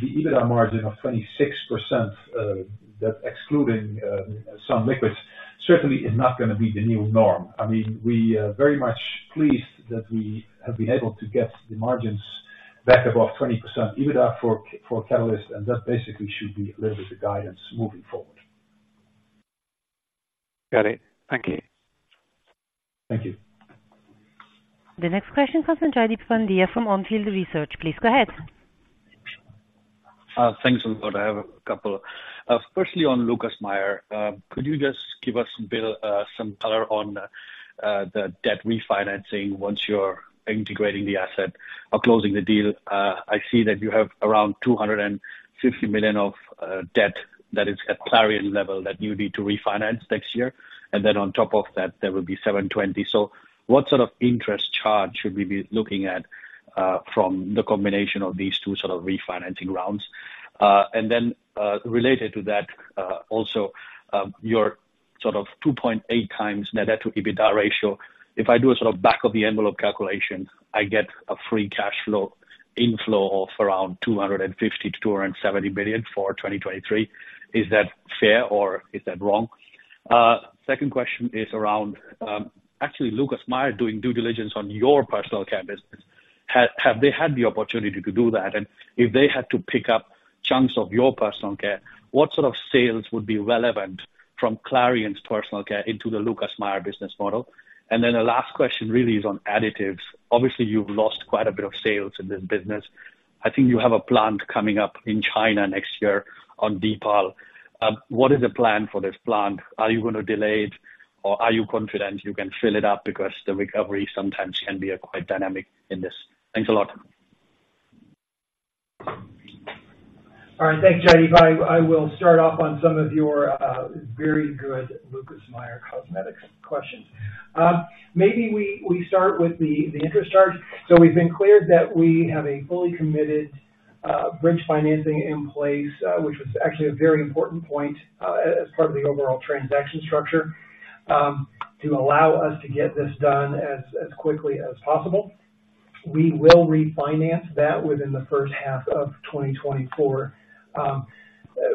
the EBITDA margin of 26%, that's excluding Sunliquids, certainly is not gonna be the new norm. I mean, we very much pleased that we have been able to get the margins back above 20% EBITDA for Catalysts, and that basically should be a little bit of guidance moving forward. Got it. Thank you. Thank you. The next question comes from Jaideep Pandya, from On Field Research. Please go ahead. Thanks a lot. I have a couple. Firstly, on Lucas Meyer, could you just give us, Bill, some color on the debt refinancing once you're integrating the asset or closing the deal? I see that you have around 250 million of debt that is at Clariant level, that you need to refinance next year, and then on top of that, there will be 720 million. So what sort of interest charge should we be looking at from the combination of these two sort of refinancing rounds? And then, related to that, also, your sort of 2.8x net to EBITDA ratio. If I do a sort of back of the envelope calculation, I get a free cash flow inflow of around 250 million-270 million for 2023. Is that fair or is that wrong? Second question is around, actually, Lucas Meyer doing due diligence on your personal care business. Have, have they had the opportunity to do that? And if they had to pick up chunks of your personal care, what sort of sales would be relevant from Clariant's personal care into the Lucas Meyer business model? And then the last question really is on additives. Obviously, you've lost quite a bit of sales in this business. I think you have a plant coming up in China next year on Deepal. What is the plan for this plant? Are you going to delay it, or are you confident you can fill it up? Because the recovery sometimes can be quite dynamic in this. Thanks a lot. All right. Thanks, Jaideep. I will start off on some of your very good Lucas Meyer Cosmetics questions. Maybe we start with the interest charge. So we've been clear that we have a fully committed bridge financing in place, which was actually a very important point as part of the overall transaction structure to allow us to get this done as quickly as possible. We will refinance that within the first half of 2024.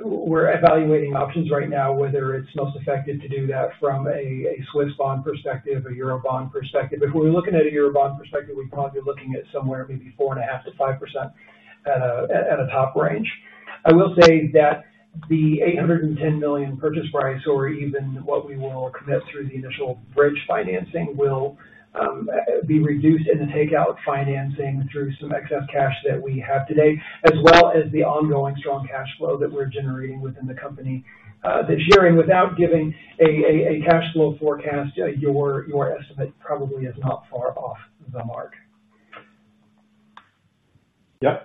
We're evaluating options right now, whether it's most effective to do that from a Swiss bond perspective, a Eurobond perspective. If we're looking at a Eurobond perspective, we're probably looking at somewhere maybe 4.5%-5% at a top range. I will say that the $810 million purchase price, or even what we will commit through the initial bridge financing, will be reduced in the takeout financing through some excess cash that we have today, as well as the ongoing strong cash flow that we're generating within the company this year. And without giving a cash flow forecast, your estimate probably is not far off the mark. Yeah.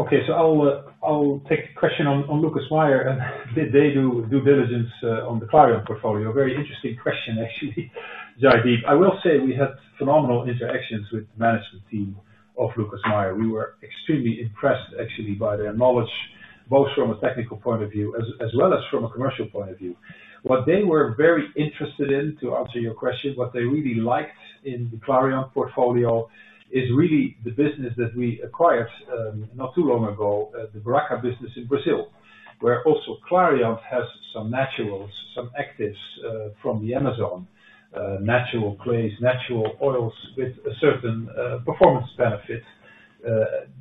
Okay. So I'll, I'll take a question on, on Lucas Meyer, and did they do due diligence on the Clariant portfolio? Very interesting question, actually, Jaideep. I will say we had phenomenal interactions with management team of Lucas Meyer. We were extremely impressed, actually, by their knowledge, both from a technical point of view, as well as from a commercial point of view. What they were very interested in, to answer your question, what they really liked in the Clariant portfolio is really the business that we acquired, not too long ago, at the Beraca business in Brazil, where also Clariant has some naturals, some actives from the Amazon. Natural clays, natural oils, with a certain performance benefit.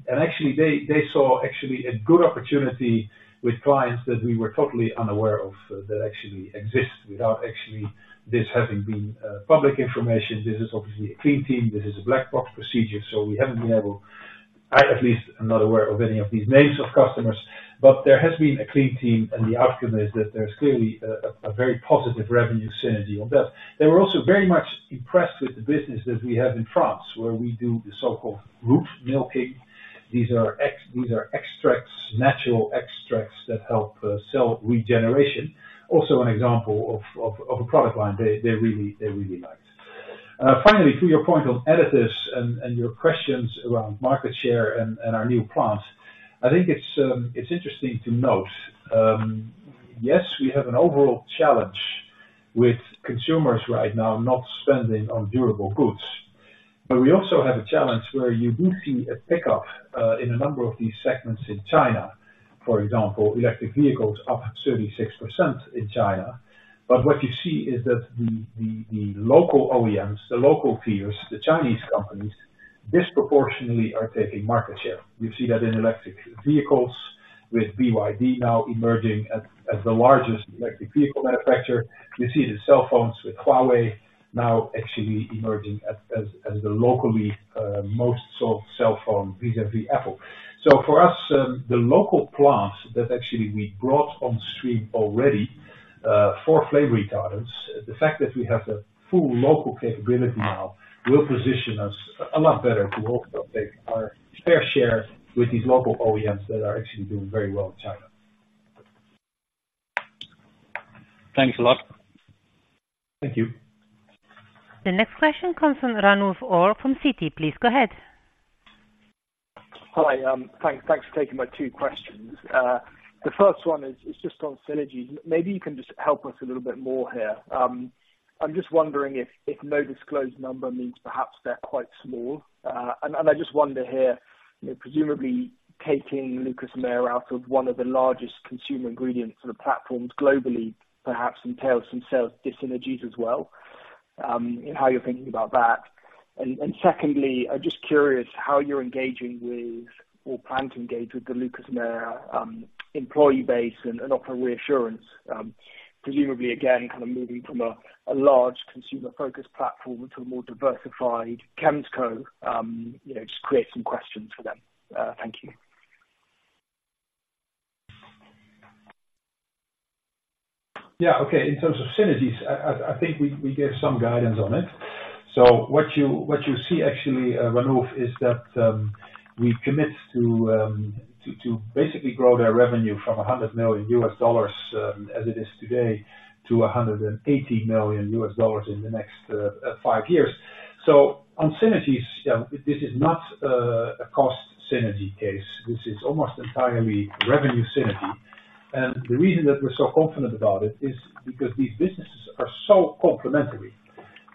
And actually, they, they saw actually a good opportunity with clients that we were totally unaware of, that actually exist without actually this having been public information. This is obviously a clean team. This is a black box procedure, so we haven't been able... I, at least, am not aware of any of these names of customers, but there has been a clean team, and the outcome is that there's clearly a very positive revenue synergy on that. They were also very much impressed with the business that we have in France, where we do the so-called root milking. These are extracts, natural extracts that help cell regeneration. Also an example of, of, of a product line they, they really, they really like. Finally, to your point on additives and your questions around market share and our new plant, I think it's interesting to note, yes, we have an overall challenge with consumers right now, not spending on durable goods. But we also have a challenge where you do see a pickup in a number of these segments in China. For example, electric vehicles up 36% in China. But what you see is that the local OEMs, the local peers, the Chinese companies, disproportionately are taking market share. You see that in electric vehicles with BYD now emerging as the largest electric vehicle manufacturer. You see the cell phones with Huawei now actually emerging as the locally most sold cell phone vis-à-vis Apple. So for us, the local plant that actually we brought on stream already for flame retardants, the fact that we have a full local capability now, will position us a lot better to also take our fair share with these local OEMs that are actually doing very well in China. Thanks a lot. Thank you. The next question comes from Ranulf Orr from Citi. Please go ahead. Hi, thanks. Thanks for taking my two questions. The first one is just on synergies. Maybe you can just help us a little bit more here. I'm just wondering if no disclosed number means perhaps they're quite small. And I just wonder here, you know, presumably taking Lucas Meyer out of one of the largest consumer ingredient sort of platforms globally, perhaps entails some sales, dis-synergies as well, and how you're thinking about that? And secondly, I'm just curious how you're engaging with or plan to engage with the Lucas Meyer employee base and offer reassurance. Presumably, again, kind of moving from a large consumer-focused platform to a more diversified chemco, you know, just create some questions for them. Thank you. Yeah, okay. In terms of synergies, I think we gave some guidance on it. So what you see actually, Ranulf, is that we commit to basically grow their revenue from $100 million as it is today to $180 million in the next five years. So on synergies, yeah, this is not a cost synergy case. This is almost entirely revenue synergy. And the reason that we're so confident about it is because these businesses are so complementary.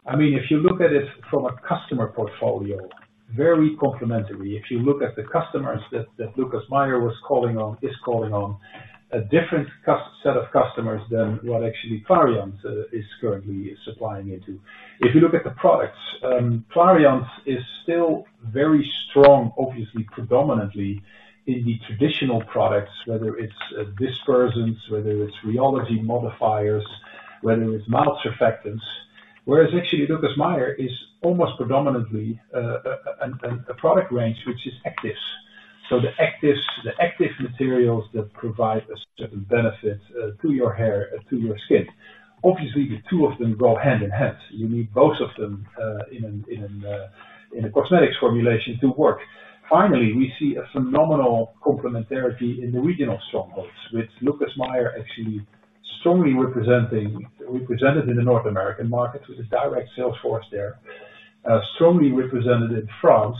I mean, if you look at it from a customer portfolio, very complementary. If you look at the customers that Lucas Meyer was calling on, is calling on, a different set of customers than what actually Clariant is currently supplying into. If you look at the products, Clariant is still very strong, obviously, predominantly in the traditional products, whether it's dispersants, whether it's rheology modifiers, whether it's mild surfactants. Whereas actually, Lucas Meyer is almost predominantly a product range, which is actives. So the actives, the active materials that provide a certain benefit to your hair and to your skin. Obviously, the two of them go hand in hand. You need both of them in a cosmetics formulation to work. Finally, we see a phenomenal complementarity in the regional strongholds, with Lucas Meyer actually strongly represented in the North American market with a direct sales force there. Strongly represented in France,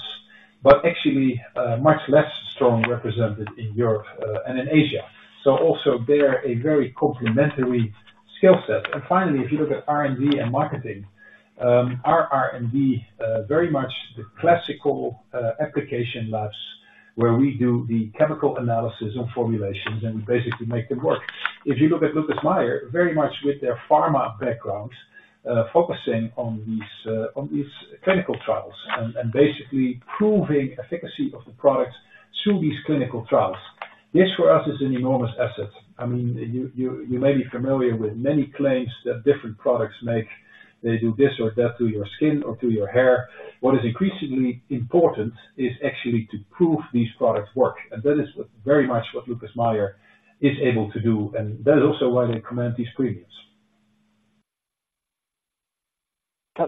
but actually much less strong represented in Europe and in Asia. So also, they're a very complementary skill set. Finally, if you look at R&D and marketing, our R&D very much the classical application labs, where we do the chemical analysis and formulations and basically make them work. If you look at Lucas Meyer, very much with their pharma background, focusing on these clinical trials and basically proving efficacy of the products through these clinical trials. This, for us, is an enormous asset. I mean, you may be familiar with many claims that different products make. They do this or that to your skin or to your hair. What is increasingly important is actually to prove these products work, and that is very much what Lucas Meyer is able to do, and that is also why they command these premiums.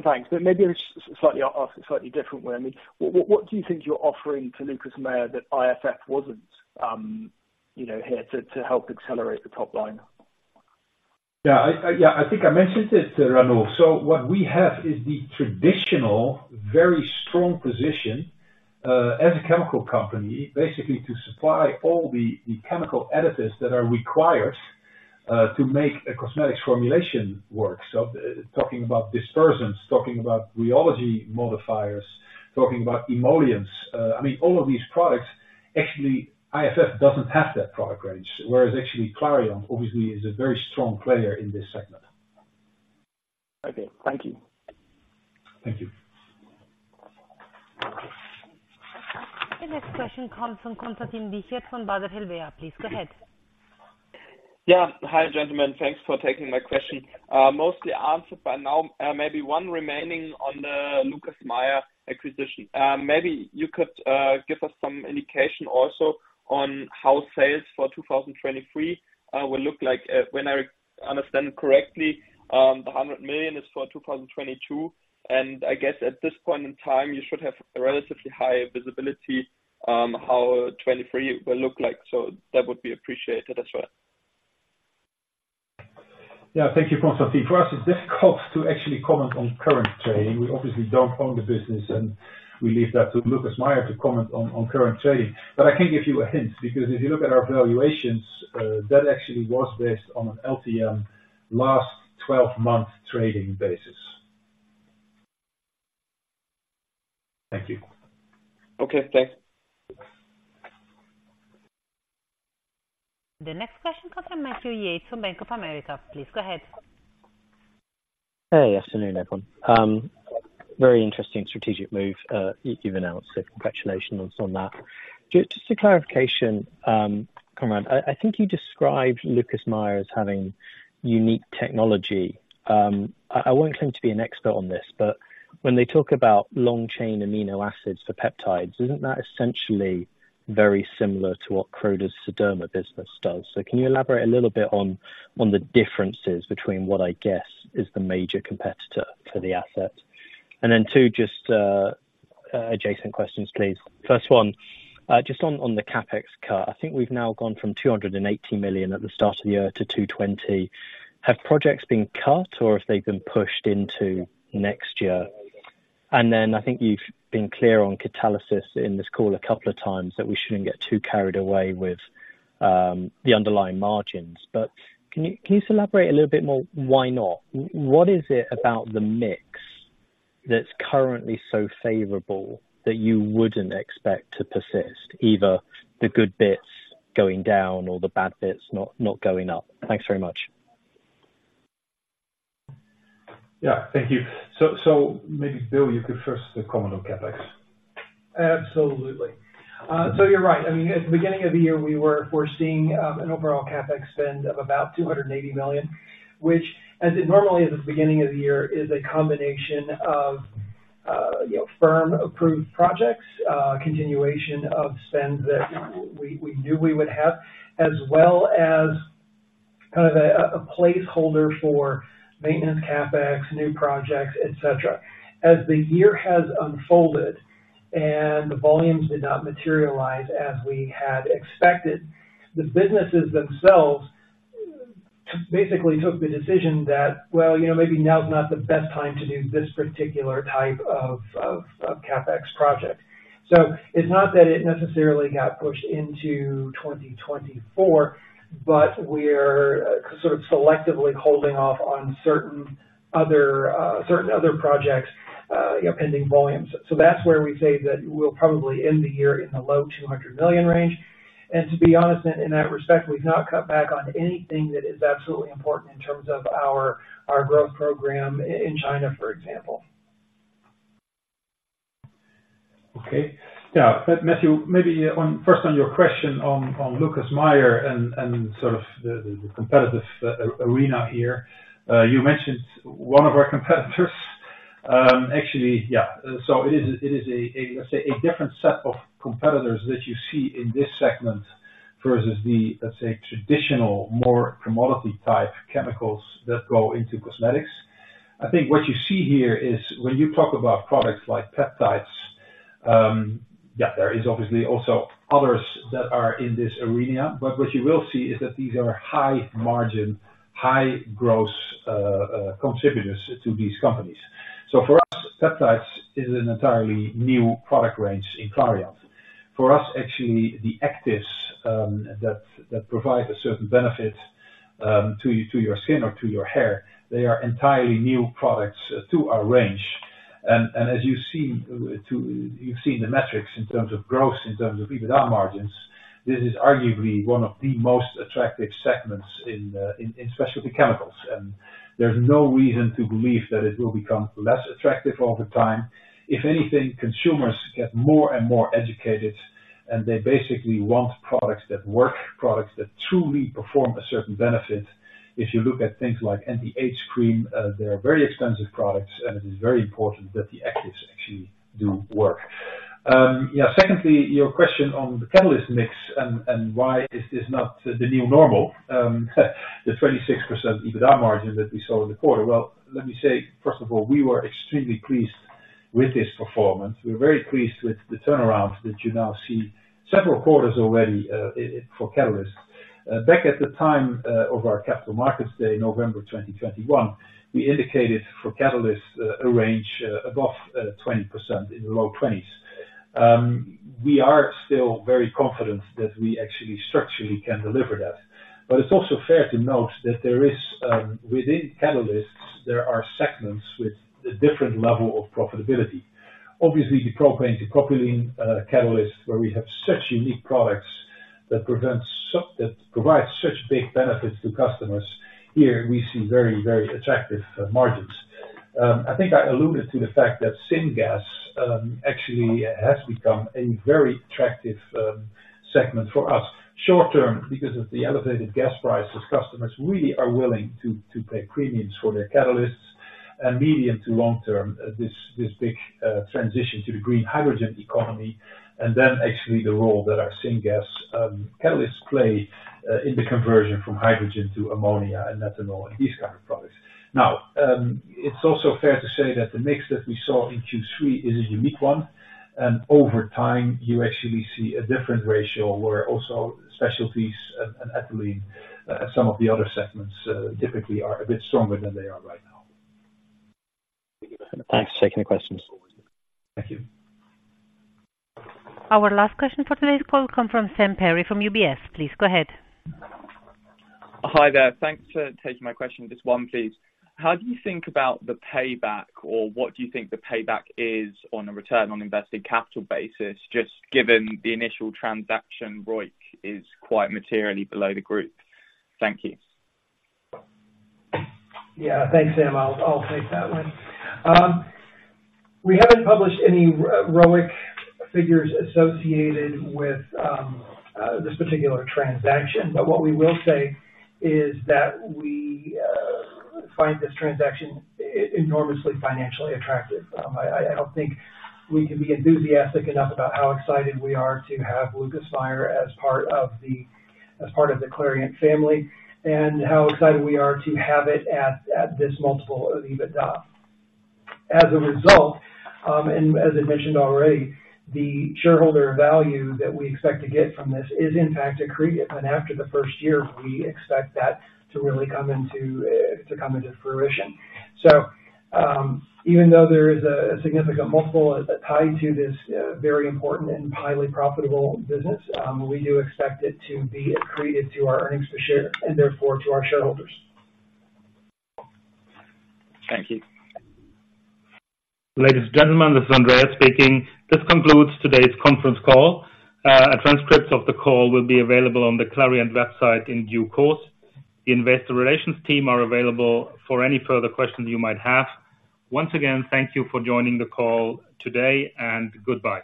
Thanks. But maybe just slightly ask it slightly different way. I mean, what do you think you're offering to Lucas Meyer that IFF wasn't, you know, here to help accelerate the top line? Yeah, yeah, I think I mentioned it, Ranulf. So what we have is the traditional, very strong position as a chemical company, basically to supply all the chemical additives that are required to make a cosmetics formulation work. So talking about dispersants, talking about rheology modifiers, talking about emollients, I mean, all of these products, actually, IFF doesn't have that product range, whereas actually Clariant obviously is a very strong player in this segment. Okay, thank you. Thank you. The next question comes from Konstantin Wiechert from Baader Helvea. Please, go ahead. Yeah. Hi, gentlemen. Thanks for taking my question. Mostly answered by now, maybe one remaining on the Lucas Meyer acquisition. Maybe you could give us some indication also on how sales for 2023 will look like. When I understand correctly, the 100 million is for 2022, and I guess at this point in time, you should have a relatively high visibility how 2023 will look like. So that would be appreciated as well. Yeah, thank you, Constantine. For us, it's difficult to actually comment on current trading. We obviously don't own the business, and we leave that to Lucas Meyer to comment on current trading. But I can give you a hint, because if you look at our valuations, that actually was based on an LTM, last 12-month trading basis. Thank you. Okay, thanks. The next question comes from Matthew Yates, from Bank of America. Please go ahead. Good afternoon, everyone. Very interesting strategic move you've announced, so congratulations on that. Just a clarification, Conrad. I think you described Lucas Meyer as having unique technology. I won't claim to be an expert on this, but when they talk about long-chain amino acids for peptides, isn't that essentially very similar to what Croda's Derma business does? So can you elaborate a little bit on the differences between what I guess is the major competitor for the asset? And then too, just adjacent questions, please. First one, just on the CapEx cut. I think we've now gone from 280 million at the start of the year to 220. Have projects been cut, or have they been pushed into next year? And then, I think you've been clear on catalysis in this call a couple of times, that we shouldn't get too carried away with the underlying margins, but can you, can you just elaborate a little bit more, why not? What is it about the mix that's currently so favorable that you wouldn't expect to persist, either the good bits going down or the bad bits not, not going up? Thanks very much. Yeah, thank you. So, maybe, Bill, you could first comment on CapEx. Absolutely. So you're right. I mean, at the beginning of the year, we were foreseeing an overall CapEx spend of about 280 million, which as it normally, at the beginning of the year, is a combination of, you know, firm approved projects, continuation of spends that we knew we would have, as well as kind of a placeholder for maintenance CapEx, new projects, et cetera. As the year has unfolded and the volumes did not materialize as we had expected, the businesses themselves basically took the decision that, well, you know, maybe now is not the best time to do this particular type of CapEx project. So it's not that it necessarily got pushed into 2024, but we're sort of selectively holding off on certain other projects, pending volumes. So that's where we say that we'll probably end the year in the low 200 million range. And to be honest, in that respect, we've not cut back on anything that is absolutely important in terms of our growth program in China, for example. Okay. Yeah. But Matthew, maybe on first on your question on Lucas Meyer and sort of the competitive arena here. You mentioned one of our competitors. Actually, yeah, so it is a let's say a different set of competitors that you see in this segment versus the let's say traditional more commodity-type chemicals that go into cosmetics. I think what you see here is when you talk about products like peptides, yeah, there is obviously also others that are in this arena, but what you will see is that these are high margin, high growth contributors to these companies. So for us, peptides is an entirely new product range in Clariant. For us, actually, the actives that provide a certain benefit to your skin or to your hair, they are entirely new products to our range. And as you've seen the metrics in terms of growth, in terms of EBITDA margins, this is arguably one of the most attractive segments in specialty chemicals, and there's no reason to believe that it will become less attractive over time. If anything, consumers get more and more educated, and they basically want products that work, products that truly perform a certain benefit. If you look at things like MDH cream, they are very expensive products, and it is very important that the actives actually do work. Yeah, secondly, your question on the catalyst mix and why is this not the new normal? The 26% EBITDA margin that we saw in the quarter. Well, let me say, first of all, we were extremely pleased with this performance. We're very pleased with the turnaround that you now see several quarters already, for catalysts. Back at the time of our Capital Markets Day, November 2021, we indicated for catalysts a range above 20%, in the low-20s. We are still very confident that we actually structurally can deliver that. But it's also fair to note that there is, within catalysts, there are segments with a different level of profitability. Obviously, the propane to propylene catalysts, where we have such unique products that provides such big benefits to customers, here, we see very, very attractive margins. I think I alluded to the fact that Syngas, actually has become a very attractive segment for us. Short term, because of the elevated gas prices, customers really are willing to pay premiums for their catalysts, and medium to long term, this big transition to the green hydrogen economy, and then actually the role that our Syngas catalysts play in the conversion from hydrogen to ammonia and ethanol and these kind of products. Now, it's also fair to say that the mix that we saw in Q3 is a unique one, and over time, you actually see a different ratio, where also specialties and ethylene, some of the other segments, typically are a bit stronger than they are right now. Thanks for taking the questions. Thank you. Our last question for today's call comes from Sam Perry, from UBS. Please go ahead. Hi, there. Thanks for taking my question. Just one, please. How do you think about the payback, or what do you think the payback is on a return on invested capital basis, just given the initial transaction ROIC is quite materially below the group? Thank you. Yeah. Thanks, Sam. I'll, I'll take that one. We haven't published any ROIC figures associated with this particular transaction, but what we will say is that we find this transaction enormously financially attractive. I, I, I don't think we can be enthusiastic enough about how excited we are to have Lucas Meyer as part of the Clariant family, and how excited we are to have it at this multiple of EBITDA. As a result, and as I mentioned already, the shareholder value that we expect to get from this is, in fact, accretive, and after the first year, we expect that to really come into fruition. So, even though there is a significant multiple tied to this very important and highly profitable business, we do expect it to be accretive to our earnings per share, and therefore, to our shareholders. Thank you. Ladies and gentlemen, this is Andreas speaking. This concludes today's conference call. A transcript of the call will be available on the Clariant website in due course. The investor relations team are available for any further questions you might have. Once again, thank you for joining the call today, and goodbye.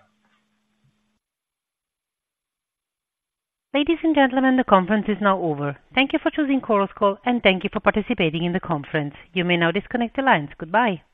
Ladies and gentlemen, the conference is now over. Thank you for choosing Chorus Call, and thank you for participating in the conference. You may now disconnect the lines. Goodbye.